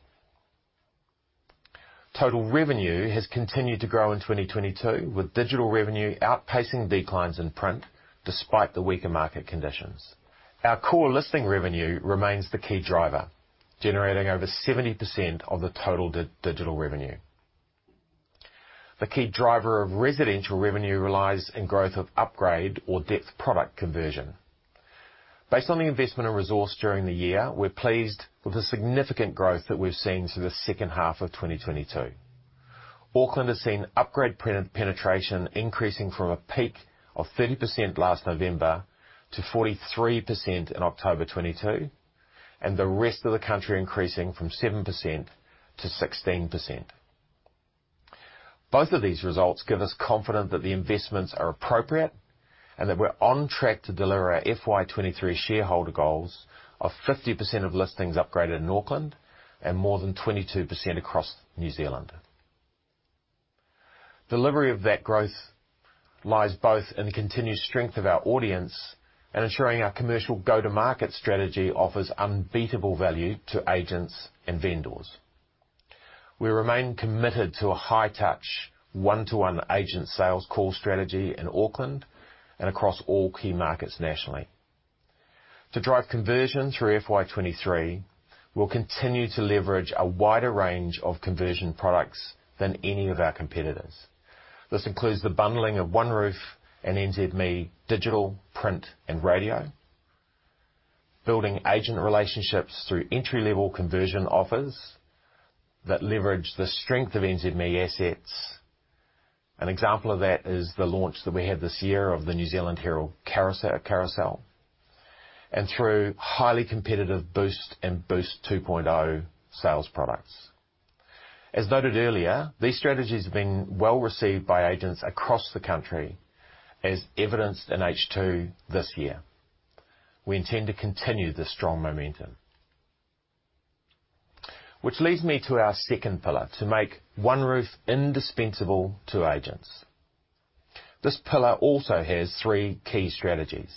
Total revenue has continued to grow in 2022, with digital revenue outpacing declines in print despite the weaker market conditions. Our core listing revenue remains the key driver, generating over 70% of the total digital revenue. The key driver of residential revenue relies on growth of upgrade or depth product conversion. Based on the investment and resource during the year, we're pleased with the significant growth that we've seen through the second half of 2022. Auckland has seen upgrade penetration increasing from a peak of 30% last November to 43% in October 2022, and the rest of the country increasing from 7% to 16%. Both of these results give us confidence that the investments are appropriate and that we're on track to deliver our FY 2023 shareholder goals of 50% of listings upgraded in Auckland and more than 22% across New Zealand. Delivery of that growth lies both in the continued strength of our audience and ensuring our commercial go-to-market strategy offers unbeatable value to agents and vendors. We remain committed to a high-touch, one-to-one agent sales call strategy in Auckland and across all key markets nationally. To drive conversion through FY 2023, we'll continue to leverage a wider range of conversion products than any of our competitors. This includes the bundling of OneRoof and NZME digital, print, and radio, building agent relationships through entry-level conversion offers that leverage the strength of NZME assets. An example of that is the launch that we had this year of the New Zealand Herald Carousel and through highly competitive Boost and Boost 2.0 sales products. As noted earlier, these strategies have been well received by agents across the country, as evidenced in H2 this year. We intend to continue the strong momentum. Which leads me to our second pillar, to make OneRoof indispensable to agents. This pillar also has three key strategies,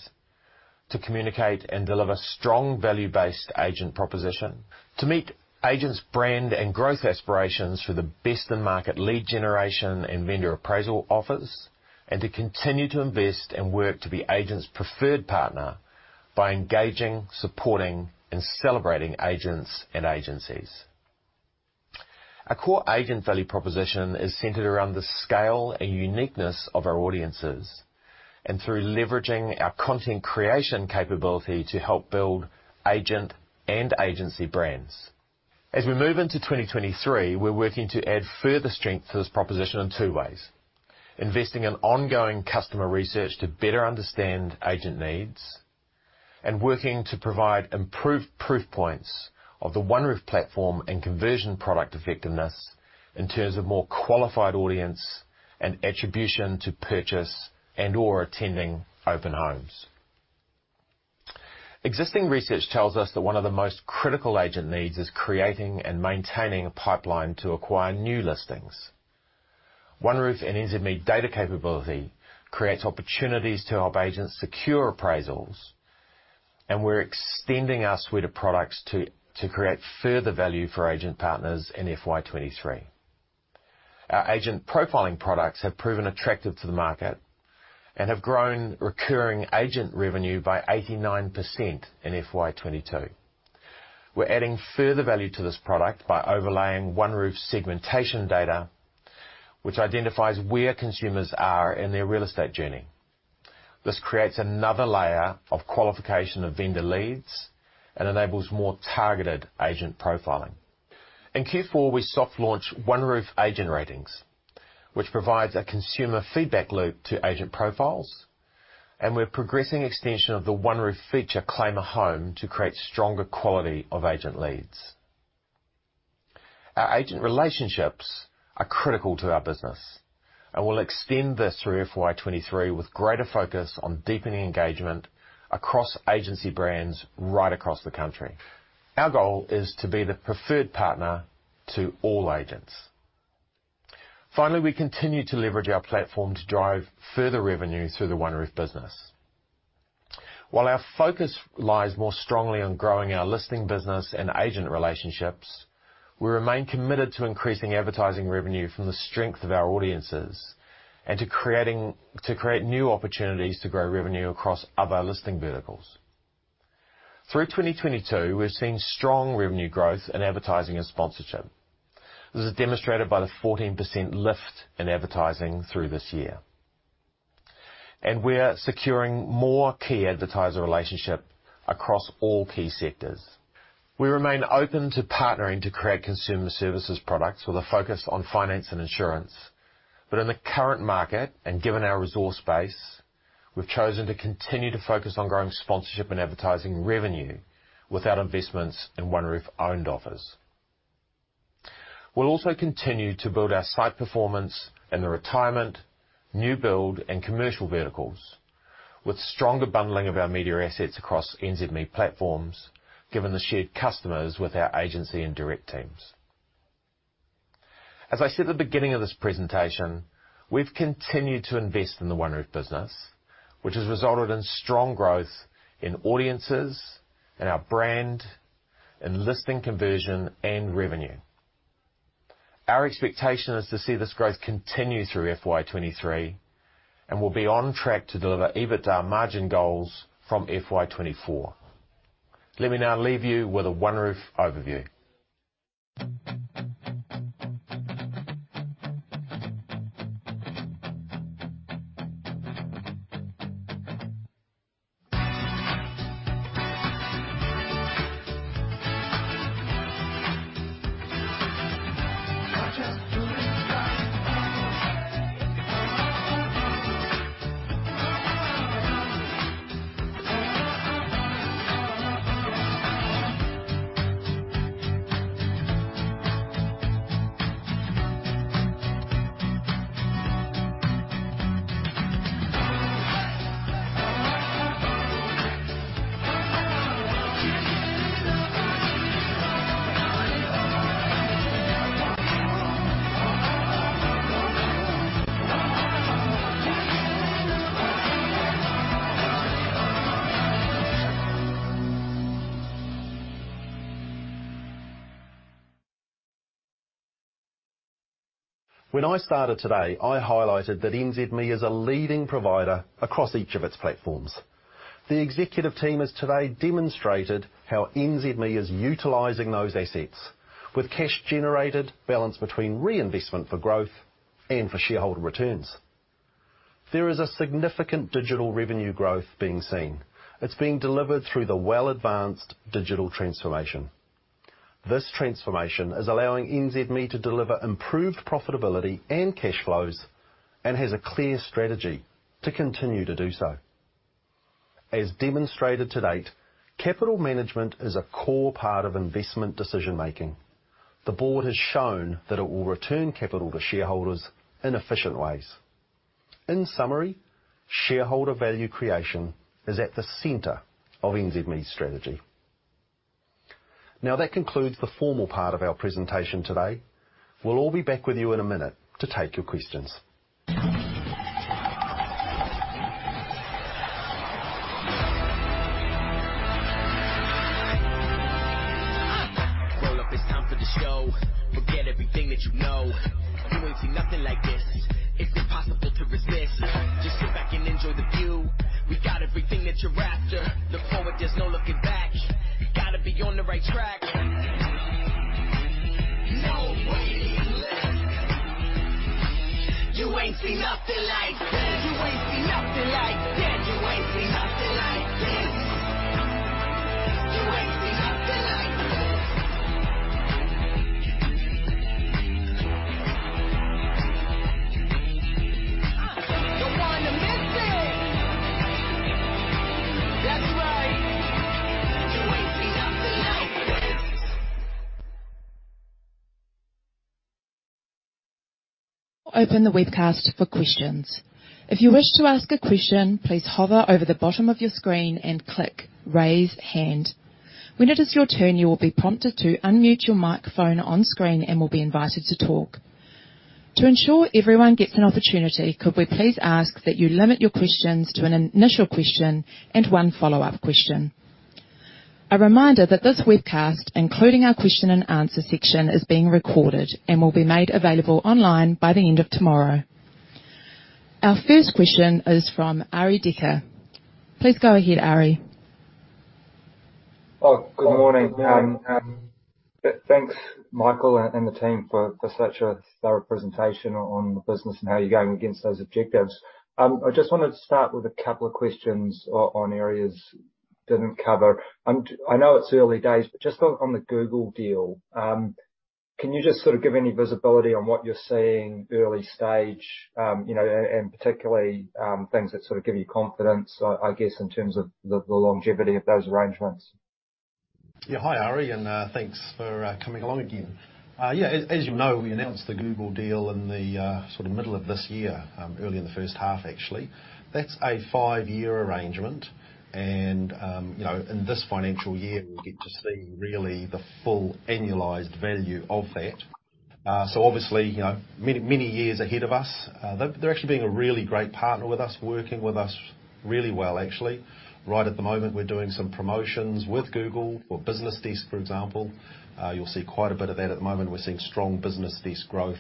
to communicate and deliver strong value-based agent proposition, to meet agents' brand and growth aspirations for the best-in-market lead generation and vendor appraisal offers, and to continue to invest and work to be agents' preferred partner by engaging, supporting, and celebrating agents and agencies. Our core agent value proposition is centered around the scale and uniqueness of our audiences and through leveraging our content creation capability to help build agent and agency brands. As we move into 2023, we're working to add further strength to this proposition in two ways, investing in ongoing customer research to better understand agent needs, and working to provide improved proof points of the OneRoof platform and conversion product effectiveness in terms of more qualified audience and attribution to purchase and/or attending open homes. Existing research tells us that one of the most critical agent needs is creating and maintaining a pipeline to acquire new listings. OneRoof and NZME data capability creates opportunities to help agents secure appraisals, and we're extending our suite of products to create further value for agent partners in FY 2023. Our agent profiling products have proven attractive to the market and have grown recurring agent revenue by 89% in FY 2022. We're adding further value to this product by overlaying OneRoof segmentation data, which identifies where consumers are in their real estate journey. This creates another layer of qualification of vendor leads and enables more targeted agent profiling. In Q4, we soft launched OneRoof agent ratings, which provides a consumer feedback loop to agent profiles, and we're progressing extension of the OneRoof feature Claim your home to create stronger quality of agent leads. Our agent relationships are critical to our business and we'll extend this through FY 2023 with greater focus on deepening engagement across agency brands right across the country. Our goal is to be the preferred partner to all agents. Finally, we continue to leverage our platform to drive further revenue through the OneRoof business. While our focus lies more strongly on growing our listing business and agent relationships, we remain committed to increasing advertising revenue from the strength of our audiences and to create new opportunities to grow revenue across other listing verticals. Through 2022, we've seen strong revenue growth in advertising and sponsorship. This is demonstrated by the 14% lift in advertising through this year. We're securing more key advertiser relationships across all key sectors. We remain open to partnering to create consumer services products with a focus on finance and insurance. In the current market, and given our resource base, we've chosen to continue to focus on growing sponsorship and advertising revenue without investments in OneRoof-owned offers. We'll also continue to build our site performance in the retirement, new build, and commercial verticals with stronger bundling of our media assets across NZME platforms given the shared customers with our agency and direct teams. As I said at the beginning of this presentation, we've continued to invest in the OneRoof business, which has resulted in strong growth in audiences, in our brand, in listing conversion, and revenue. Our expectation is to see this growth continue through FY 2023, and we'll be on track to deliver EBITDA margin goals from FY 2024. Let me now leave you with a OneRoof overview. When I started today, I highlighted that NZME is a leading provider across each of its platforms. The executive team has today demonstrated how NZME is utilizing those assets with cash generated balanced between reinvestment for growth and for shareholder returns. There is a significant digital revenue growth being seen. It's being delivered through the well-advanced digital transformation. This transformation is allowing NZME to deliver improved profitability and cash flows, and has a clear strategy to continue to do so. As demonstrated to date, capital management is a core part of investment decision-making. The board has shown that it will return capital to shareholders in efficient ways. In summary, shareholder value creation is at the center of NZME's strategy. Now, that concludes the formal part of our presentation today. We'll all be back with you in a minute to take your questions. Open the webcast for questions. If you wish to ask a question, please hover over the bottom of your screen and click Raise Hand. When it is your turn, you will be prompted to unmute your microphone on screen and will be invited to talk. To ensure everyone gets an opportunity, could we please ask that you limit your questions to an initial question and one follow-up question. A reminder that this webcast, including our question and answer section, is being recorded and will be made available online by the end of tomorrow. Our first question is from Arie Dekker. Please go ahead, Arie. Oh, good morning. Thanks, Michael and the team for such a thorough presentation on the business and how you're going against those objectives. I just wanted to start with a couple of questions on areas you didn't cover. I know it's early days, but just on the Google deal, can you just sort of give any visibility on what you're seeing early stage, you know, and particularly, things that sort of give you confidence, I guess, in terms of the longevity of those arrangements? Yeah. Hi, Arie, and thanks for coming along again. Yeah, as you know, we announced the Google deal in the sort of middle of this year. Early in the first half, actually. That's a five-year arrangement, and you know, in this financial year, we get to see really the full annualized value of that. So obviously, you know, many, many years ahead of us. They're actually being a really great partner with us, working with us really well, actually. Right at the moment, we're doing some promotions with Google for BusinessDesk, for example. You'll see quite a bit of that. At the moment, we're seeing strong BusinessDesk growth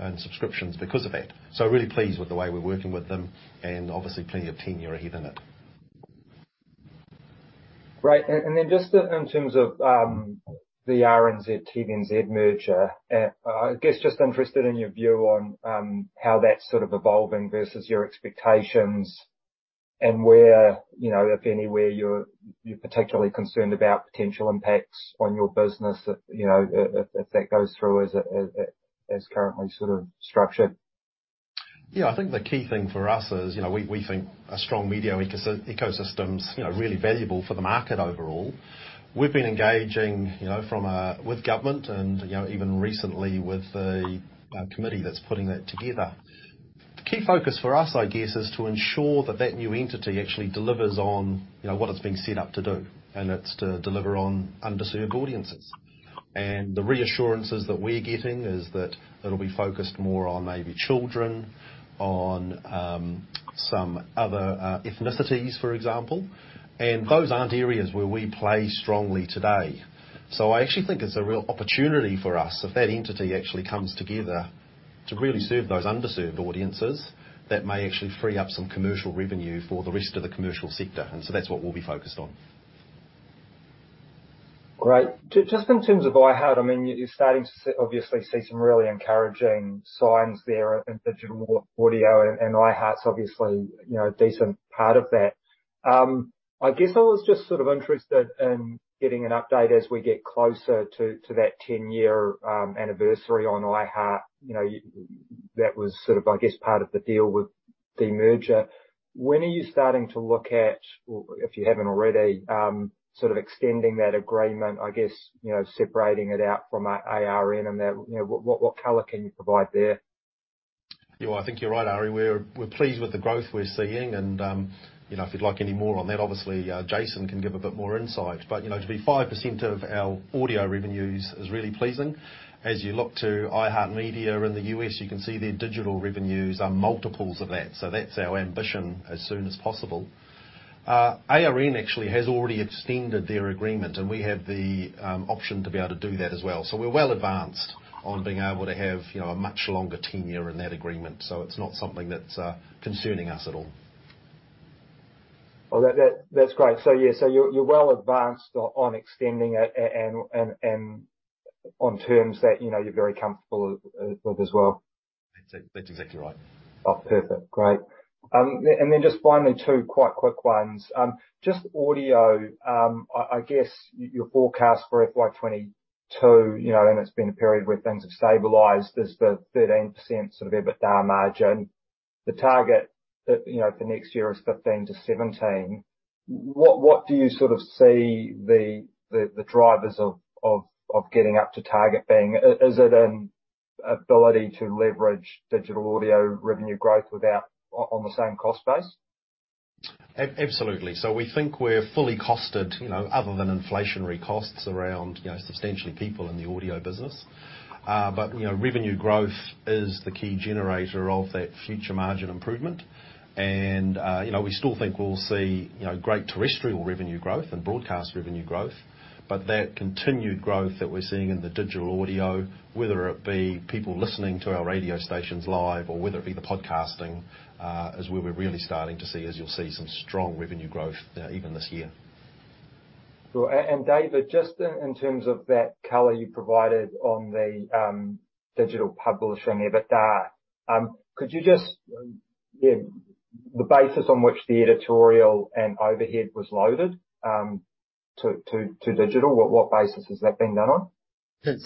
and subscriptions because of it. So really pleased with the way we're working with them and obviously plenty of tenure ahead in it. Right. Just in terms of the RNZ TVNZ merger, I guess just interested in your view on how that's sort of evolving versus your expectations and where, you know, if anywhere you're particularly concerned about potential impacts on your business that, you know, if that goes through as currently sort of structured. Yeah, I think the key thing for us is, you know, we think a strong media ecosystem's, you know, really valuable for the market overall. We've been engaging, you know, with government and, you know, even recently with the committee that's putting that together. The key focus for us, I guess, is to ensure that that new entity actually delivers on, you know, what it's been set up to do, and it's to deliver on underserved audiences. The reassurances that we're getting is that it'll be focused more on maybe children, on some other ethnicities, for example. Those aren't areas where we play strongly today. I actually think it's a real opportunity for us if that entity actually comes together to really serve those underserved audiences that may actually free up some commercial revenue for the rest of the commercial sector. That's what we'll be focused on. Great. Just in terms of iHeart, I mean, you're starting to obviously see some really encouraging signs there in digital audio, and iHeart's obviously, you know, a decent part of that. I guess I was just sort of interested in getting an update as we get closer to that 10-year anniversary on iHeart. You know, that was sort of, I guess, part of the deal with the merger. When are you starting to look at, if you haven't already, sort of extending that agreement, I guess, you know, separating it out from ARN and that. You know, what color can you provide there? Yeah, I think you're right, Arie. We're pleased with the growth we're seeing. You know, if you'd like any more on that, obviously, Jason can give a bit more insight. You know, to be 5% of our audio revenues is really pleasing. As you look to iHeartMedia in the U.S., you can see their digital revenues are multiples of that. That's our ambition as soon as possible. ARN actually has already extended their agreement, and we have the option to be able to do that as well. We're well advanced on being able to have, you know, a much longer tenure in that agreement. It's not something that's concerning us at all. Oh, that's great. Yeah, you're well advanced on extending it and on terms that, you know, you're very comfortable with as well. That's exactly right. Oh, perfect. Great. Just finally, two quite quick ones. Just audio. I guess your forecast for FY 2022, you know, and it's been a period where things have stabilized as the 13% sort of EBITDA margin. The target that, you know, for next year is 15%-17%. What do you sort of see the drivers of getting up to target being? Is it ability to leverage digital audio revenue growth without on the same cost base? Absolutely. We think we're fully costed, you know, other than inflationary costs around, you know, [substantial] people in the audio business. Revenue growth is the key generator of that future margin improvement. You know, we still think we'll see, you know, great terrestrial revenue growth and broadcast revenue growth. That continued growth that we're seeing in the digital audio, whether it be people listening to our radio stations live or whether it be the podcasting, is where we're really starting to see, as you'll see, some strong revenue growth, even this year. Sure. David, just in terms of that color you provided on the digital publishing EBITDA, could you just yeah the basis on which the editorial and overhead was loaded to digital, what basis has that been done on?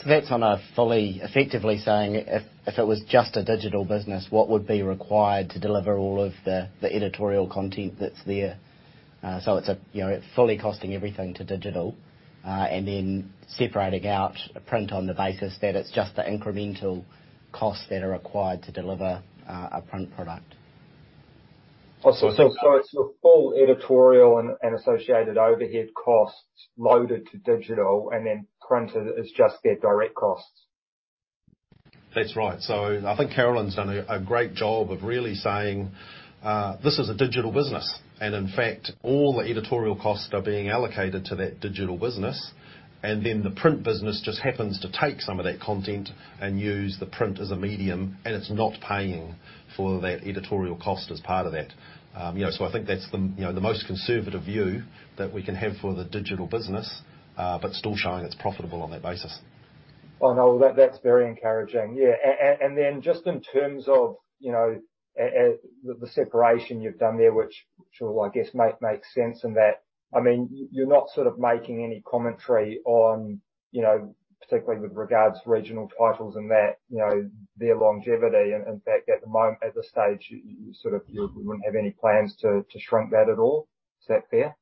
That's on a fully effective basis if it was just a digital business, what would be required to deliver all of the editorial content that's there. It's, you know, fully costing everything to digital and then separating out print on the basis that it's just the incremental costs that are required to deliver a print product. It's your full editorial and associated overhead costs loaded to digital, and then print is just their direct costs. That's right. I think Carolyn's done a great job of really saying, "This is a digital business." In fact, all the editorial costs are being allocated to that digital business. Then the print business just happens to take some of that content and use the print as a medium, and it's not paying for that editorial cost as part of that. You know, I think that's you know, the most conservative view that we can have for the digital business, but still showing it's profitable on that basis. Oh, no, that's very encouraging. Yeah. Then just in terms of, you know, the separation you've done there, which sure, I guess might make sense in that. I mean, you're not sort of making any commentary on, you know, particularly with regards regional titles and that, you know, their longevity. In fact, at the moment, at this stage, you sort of, you wouldn't have any plans to shrink that at all. Is that fair?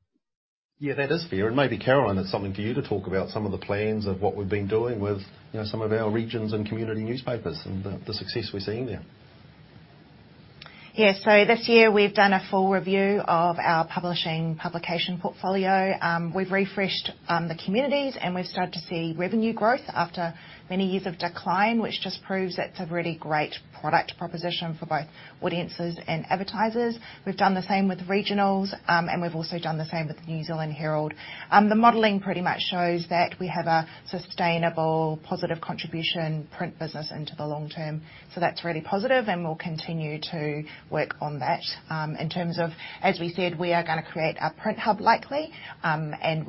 Yeah, that is fair. Maybe Carolyn, it's something for you to talk about some of the plans of what we've been doing with, you know, some of our regions and community newspapers and the success we're seeing there. Yeah. This year we've done a full review of our publishing publication portfolio. We've refreshed the communities, and we've started to see revenue growth after many years of decline, which just proves it's a really great product proposition for both audiences and advertisers. We've done the same with regionals, and we've also done the same with the New Zealand Herald. The modeling pretty much shows that we have a sustainable positive contribution print business into the long term. That's really positive, and we'll continue to work on that. In terms of, as we said, we are gonna create a print hub likely.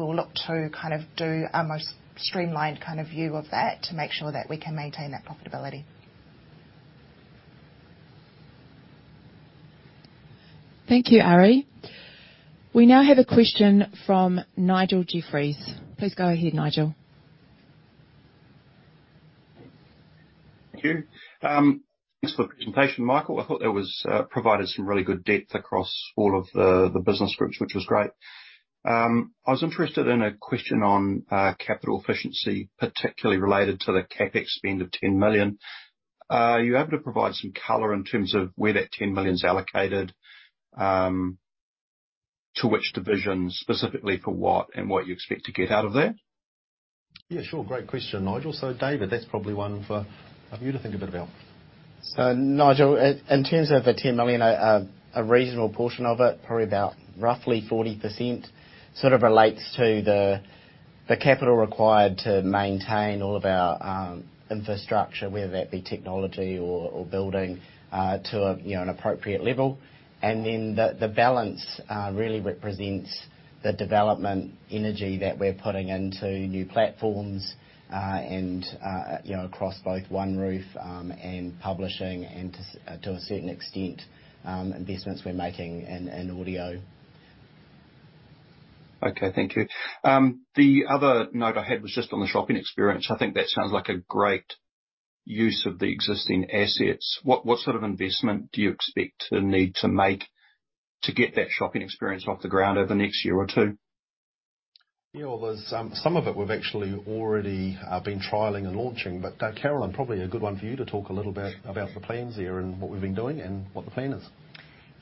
We'll look to kind of do a most streamlined kind of view of that to make sure that we can maintain that profitability. Thank you, Arie. We now have a question from Nigel Jeffries. Please go ahead, Nigel. Thank you. Thanks for the presentation, Michael. I thought that was provided some really good depth across all of the business groups, which was great. I was interested in a question on capital efficiency, particularly related to the CapEx spend of 10 million. Are you able to provide some color in terms of where that 10 million is allocated, to which division specifically for what and what you expect to get out of that? Yeah, sure. Great question, Nigel. David, that's probably one for you to think a bit about. Nigel, in terms of the 10 million, a reasonable portion of it, probably about roughly 40%, sort of relates to the capital required to maintain all of our infrastructure, whether that be technology or building to, you know, an appropriate level. Then the balance really represents the development energy that we're putting into new platforms and, you know, across both OneRoof and publishing and to a certain extent, investments we're making in audio. Okay. Thank you. The other note I had was just on the shopping experience. I think that sounds like a great use of the existing assets. What sort of investment do you expect to need to make to get that shopping experience off the ground over the next year or two? Yeah. Well, there's some of it we've actually already been trialing and launching. Carolyn, probably a good one for you to talk a little bit about the plans there and what we've been doing and what the plan is.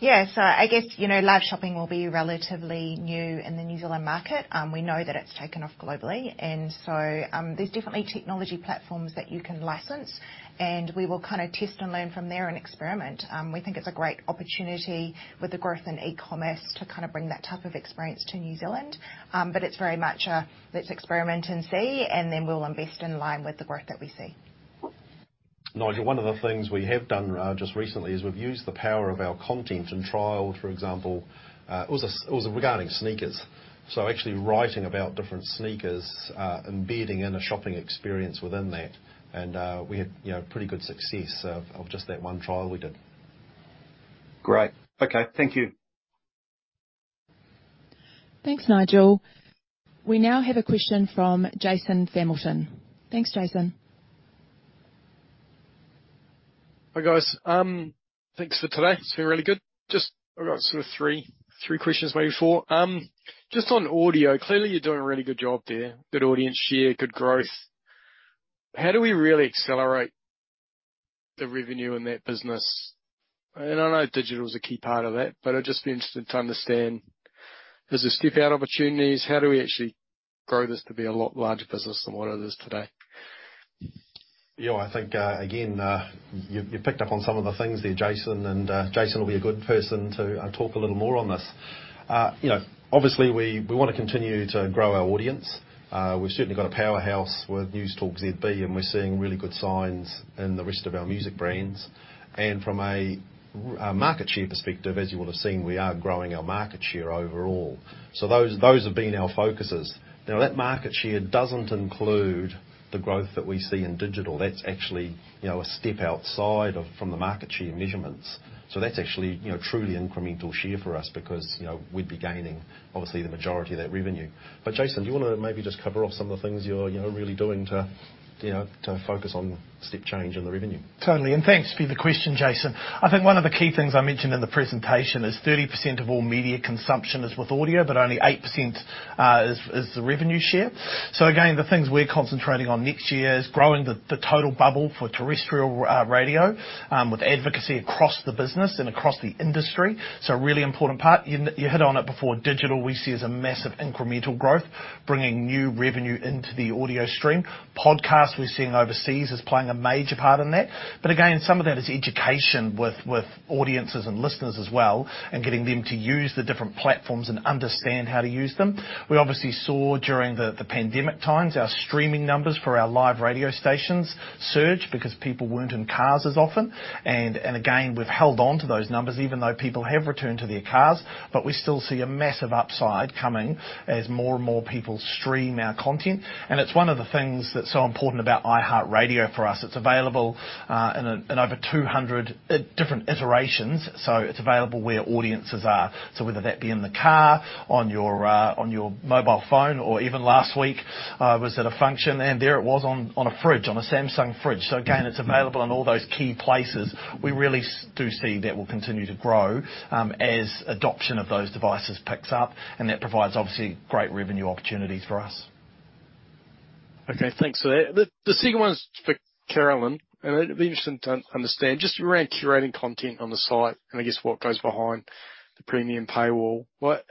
Yeah. I guess, you know, live shopping will be relatively new in the New Zealand market. We know that it's taken off globally. There's definitely technology platforms that you can license, and we will kind of test and learn from there and experiment. We think it's a great opportunity with the growth in e-commerce to kind of bring that type of experience to New Zealand. It's very much a let's experiment and see, and then we'll invest in line with the growth that we see. Nigel, one of the things we have done just recently is we've used the power of our content and trialed, for example, it was regarding sneakers. Actually writing about different sneakers, embedding in a shopping experience within that. We had, you know, pretty good success of just that one trial we did. Great. Okay. Thank you. Thanks, Nigel. We now have a question from Jason Familton. Thanks, Jason. Hi, guys. Thanks for today. It's been really good. Just, I've got sort of three questions, maybe four. Just on audio. Clearly, you're doing a really good job there. Good audience share, good growth. How do we really accelerate the revenue in that business? I know digital is a key part of it, but I'd just be interested to understand, is there step out opportunities? How do we actually grow this to be a lot larger business than what it is today? Yeah, I think, again, you picked up on some of the things there, Jason, and Jason will be a good person to talk a little more on this. You know, obviously we wanna continue to grow our audience. We've certainly got a powerhouse with Newstalk ZB, and we're seeing really good signs in the rest of our music brands. From a market share perspective, as you would have seen, we are growing our market share overall. Those have been our focuses. Now that market share doesn't include the growth that we see in digital. That's actually a step outside of from the market share measurements. That's actually truly incremental share for us because we'd be gaining obviously the majority of that revenue. Jason, do you wanna maybe just cover off some of the things you're, you know, really doing to, you know, to focus on step change in the revenue? Totally. Thanks for the question, Jason. I think one of the key things I mentioned in the presentation is 30% of all media consumption is with audio, but only 8%, is the revenue share. Again, the things we're concentrating on next year is growing the total bubble for terrestrial radio, with advocacy across the business and across the industry, so really important part. You hit on it before. Digital we see as a massive incremental growth, bringing new revenue into the audio stream. Podcast we're seeing overseas is playing a major part in that. Again, some of that is education with audiences and listeners as well, and getting them to use the different platforms and understand how to use them. We obviously saw during the pandemic times, our streaming numbers for our live radio stations surge because people weren't in cars as often. Again, we've held on to those numbers even though people have returned to their cars, but we still see a massive upside coming as more and more people stream our content. It's one of the things that's so important about iHeartRadio for us. It's available in over 200 different iterations, so it's available where audiences are. Whether that be in the car, on your mobile phone, or even last week, I was at a function and there it was on a fridge, on a Samsung fridge. Again, it's available in all those key places. We really do see that will continue to grow, as adoption of those devices picks up, and that provides obviously great revenue opportunities for us. Okay. Thanks for that. The second one is for Carolyn, and it'll be interesting to understand just around curating content on the site and I guess what goes behind the premium paywall.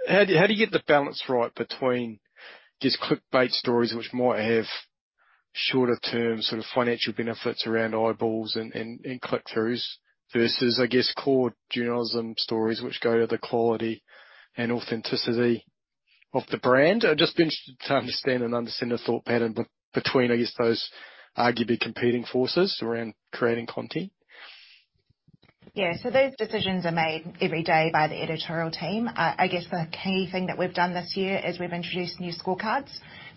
How do you get the balance right between just clickbait stories which might have shorter term sort of financial benefits around eyeballs and click-throughs versus, I guess, core journalism stories which go to the quality and authenticity of the brand? I'd just be interested to understand the thought pattern between, I guess, those arguably competing forces around creating content. Yeah. Those decisions are made every day by the editorial team. I guess the key thing that we've done this year is we've introduced new scorecards,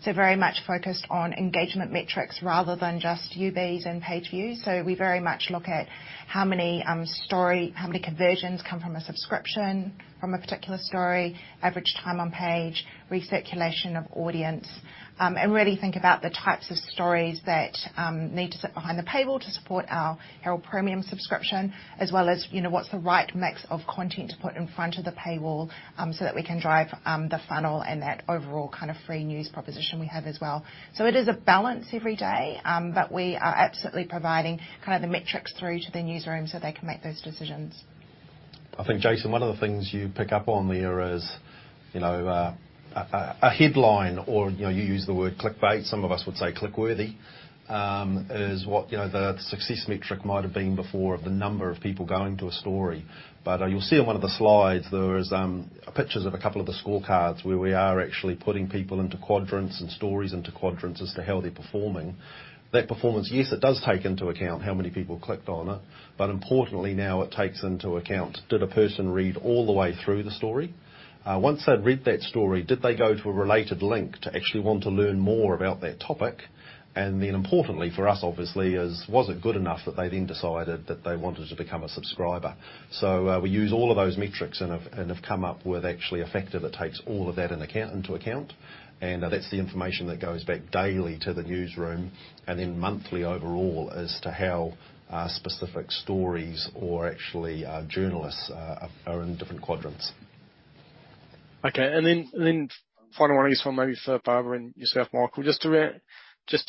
so very much focused on engagement metrics rather than just UBs and page views. We very much look at how many conversions come from a subscription from a particular story, average time on page, recirculation of audience, and really think about the types of stories that need to sit behind the paywall to support our Herald Premium subscription, as well as, you know, what's the right mix of content to put in front of the paywall, so that we can drive the funnel and that overall kind of free news proposition we have as well. It is a balance every day, but we are absolutely providing kind of the metrics through to the newsroom so they can make those decisions. I think, Jason, one of the things you pick up on there is, you know, a headline or, you know, you use the word clickbait, some of us would say click-worthy, is what, you know, the success metric might have been before of the number of people going to a story. You'll see on one of the slides there's pictures of a couple of the scorecards where we are actually putting people into quadrants and stories into quadrants as to how they're performing. That performance, yes, it does take into account how many people clicked on it, but importantly now it takes into account, did a person read all the way through the story? Once they'd read that story, did they go to a related link to actually want to learn more about that topic? Importantly, for us obviously, was it good enough that they then decided that they wanted to become a subscriber? We use all of those metrics and have come up with actually a factor that takes all of that into account, and that's the information that goes back daily to the newsroom and then monthly overall as to how specific stories or actually journalists are in different quadrants. Okay. Then final one, I guess one maybe for Barbara and yourself, Michael, just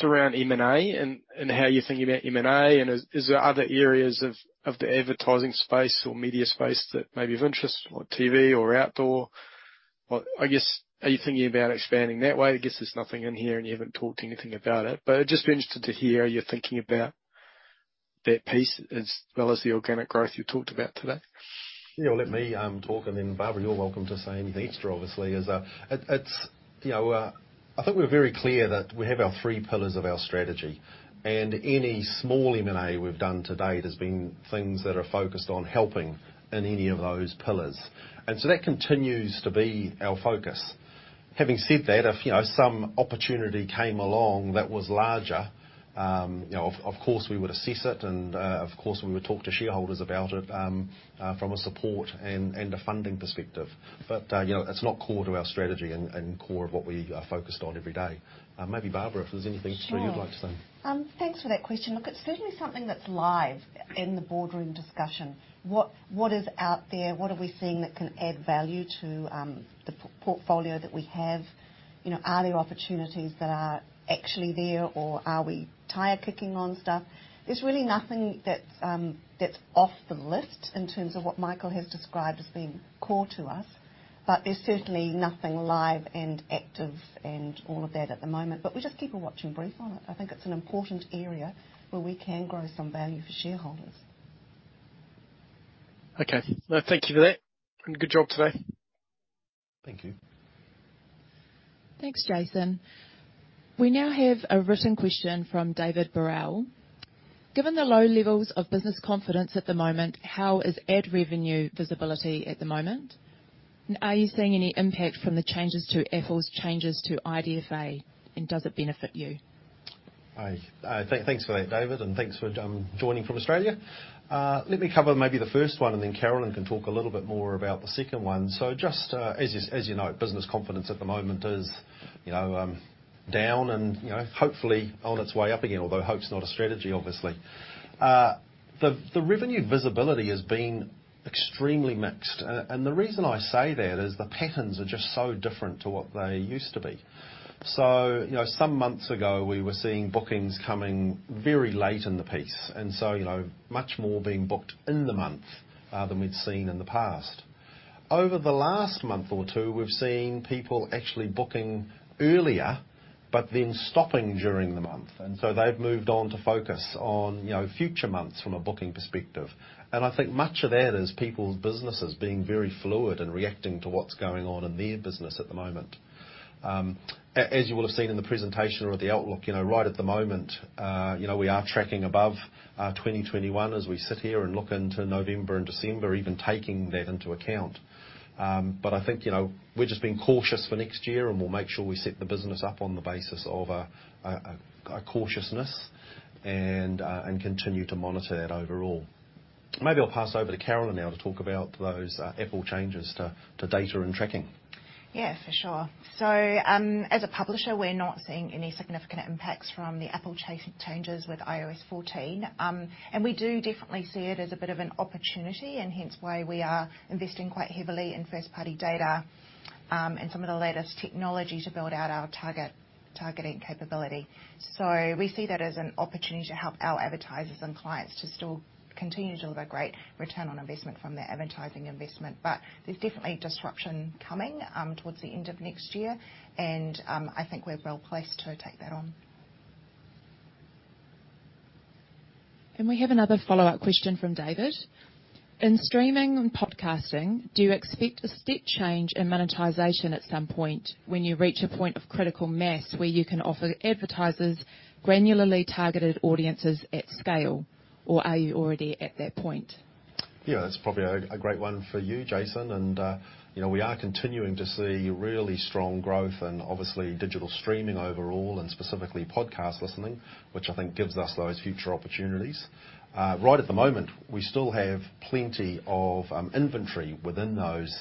around M&A and how you're thinking about M&A and is there other areas of the advertising space or media space that may be of interest, like TV or outdoor? Or I guess, are you thinking about expanding that way? I guess there's nothing in here, and you haven't talked anything about it, but I'd just be interested to hear how you're thinking about that piece as well as the organic growth you talked about today. Yeah, well let me talk and then, Barbara, you're welcome to say anything extra, obviously. It's, you know, I think we're very clear that we have our three pillars of our strategy, and any small M&A we've done to date has been things that are focused on helping in any of those pillars. That continues to be our focus. Having said that, if, you know, some opportunity came along that was larger, you know, of course we would assess it and, of course, we would talk to shareholders about it, from a support and a funding perspective. You know, it's not core to our strategy and core of what we are focused on every day. Maybe Barbara, if there's anything. Sure. you'd like to say. Thanks for that question. Look, it's certainly something that's live in the boardroom discussion. What is out there? What are we seeing that can add value to the portfolio that we have? You know, are there opportunities that are actually there or are we tire kicking on stuff? There's really nothing that's off the list in terms of what Michael has described as being core to us. There's certainly nothing live and active and all of that at the moment, but we just keep a watching brief on it. I think it's an important area where we can grow some value for shareholders. Okay. No, thank you for that, and good job today. Thank you. Thanks, Jason. We now have a written question from David Burrell. Given the low levels of business confidence at the moment, how is ad revenue visibility at the moment? And are you seeing any impact from the changes to Apple's IDFA, and does it benefit you? Thanks for that, David, and thanks for joining from Australia. Let me cover maybe the first one, and then Carolyn can talk a little bit more about the second one. Just as you know, business confidence at the moment is, you know, down and, you know, hopefully on its way up again, although hope's not a strategy, obviously. The revenue visibility has been extremely mixed. The reason I say that is the patterns are just so different to what they used to be. You know, some months ago, we were seeing bookings coming very late in the piece, and so, you know, much more being booked in the month than we'd seen in the past. Over the last month or two, we've seen people actually booking earlier, but then stopping during the month, and so they've moved on to focus on, you know, future months from a booking perspective. I think much of that is people's businesses being very fluid and reacting to what's going on in their business at the moment. As you will have seen in the presentation or the outlook, you know, right at the moment, you know, we are tracking above 2021 as we sit here and look into November and December, even taking that into account. I think, you know, we're just being cautious for next year, and we'll make sure we set the business up on the basis of a cautiousness and continue to monitor it overall. Maybe I'll pass over to Carolyn now to talk about those Apple changes to data and tracking. Yeah, for sure. As a publisher, we're not seeing any significant impacts from the Apple changes with iOS 14. We do definitely see it as a bit of an opportunity, and hence why we are investing quite heavily in first-party data, and some of the latest technology to build out our targeting capability. We see that as an opportunity to help our advertisers and clients to still continue to deliver great return on investment from their advertising investment. There's definitely disruption coming towards the end of next year, and I think we're well placed to take that on. We have another follow-up question from David. In streaming and podcasting, do you expect a steep change in monetization at some point when you reach a point of critical mass where you can offer advertisers granularly targeted audiences at scale, or are you already at that point? Yeah, that's probably a great one for you, Jason. You know, we are continuing to see really strong growth and obviously digital streaming overall and specifically podcast listening, which I think gives us those future opportunities. Right at the moment, we still have plenty of inventory within those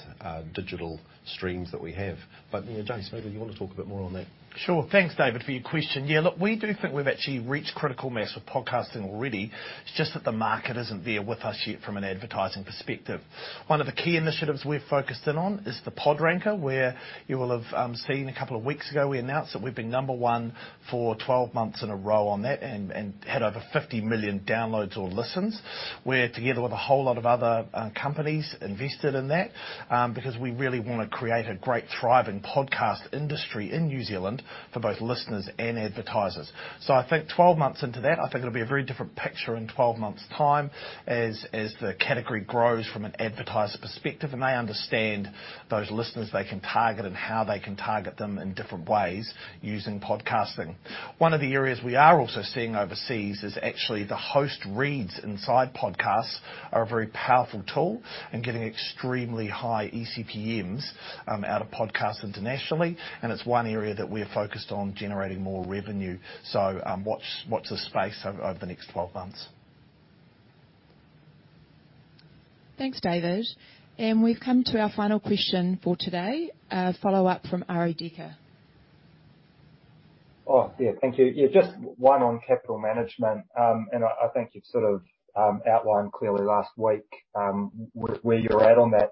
digital streams that we have. You know, Jason, maybe you wanna talk a bit more on that. Sure. Thanks, David, for your question. Yeah, look, we do think we've actually reached critical mass with podcasting already. It's just that the market isn't there with us yet from an advertising perspective. One of the key initiatives we're focused in on is the Pod Ranker, where you will have seen a couple of weeks ago, we announced that we've been number one for 12 months in a row on that and had over 50 million downloads or listens. We're together with a whole lot of other companies invested in that, because we really wanna create a great thriving podcast industry in New Zealand for both listeners and advertisers. I think 12 months into that, I think it'll be a very different picture in 12 months' time as the category grows from an advertiser perspective, and they understand those listeners they can target and how they can target them in different ways using podcasting. One of the areas we are also seeing overseas is actually the host reads inside podcasts are a very powerful tool in getting extremely high eCPMs out of podcasts internationally, and it's one area that we're focused on generating more revenue. Watch this space over the next 12 months. Thanks, David. We've come to our final question for today, a follow-up from Arie Dekker. Oh, yeah. Thank you. Yeah, just one on capital management. I think you've sort of outlined clearly last week, where you're at on that.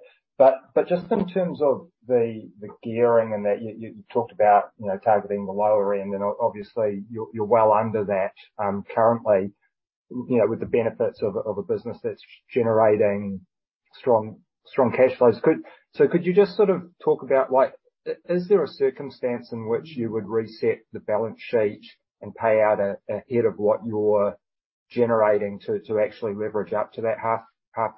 But just in terms of the gearing and that you talked about, you know, targeting the lower end, and obviously, you're well under that currently. You know, with the benefits of a business that's generating strong cash flows. So could you just sort of talk about, like, is there a circumstance in which you would reset the balance sheet and pay out ahead of what you're generating to actually leverage up to that half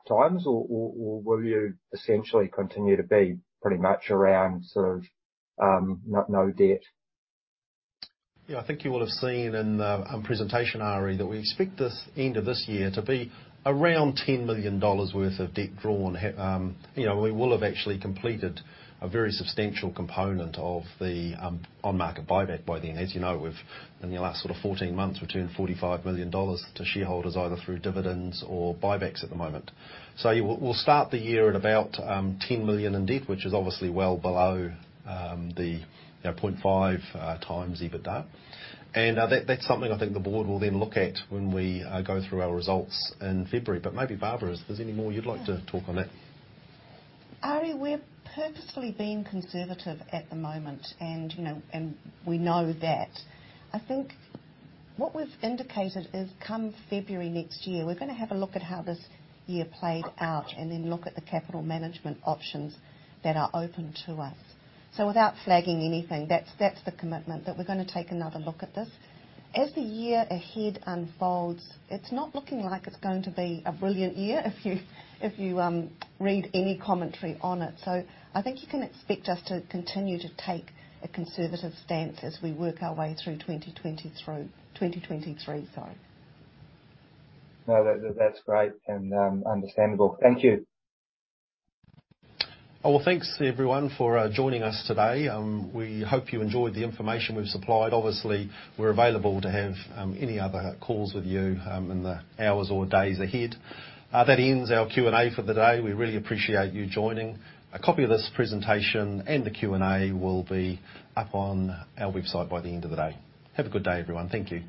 times? Or will you essentially continue to be pretty much around sort of no debt. Yeah, I think you will have seen in the presentation, Arie, that we expect the end of this year to be around 10 million dollars worth of debt drawn. You know, we will have actually completed a very substantial component of the on-market buyback by then. As you know, in the last sort of 14 months, we turned 45 million dollars to shareholders, either through dividends or buybacks at the moment. So we'll start the year at about 10 million in debt, which is obviously well below the 0.5x EBITDA. That that's something I think the board will then look at when we go through our results in February. Maybe, Barbara, is there any more you'd like to talk on that? Arie, we're purposefully being conservative at the moment and, you know, and we know that. I think what we've indicated is, come February next year, we're gonna have a look at how this year played out and then look at the capital management options that are open to us. Without flagging anything, that's the commitment, that we're gonna take another look at this. As the year ahead unfolds, it's not looking like it's going to be a brilliant year if you read any commentary on it. I think you can expect us to continue to take a conservative stance as we work our way through 2023. 2023, sorry. No, that's great and, understandable. Thank you. Well, thanks, everyone, for joining us today. We hope you enjoyed the information we've supplied. Obviously, we're available to have any other calls with you in the hours or days ahead. That ends our Q&A for the day. We really appreciate you joining. A copy of this presentation and the Q&A will be up on our website by the end of the day. Have a good day, everyone. Thank you.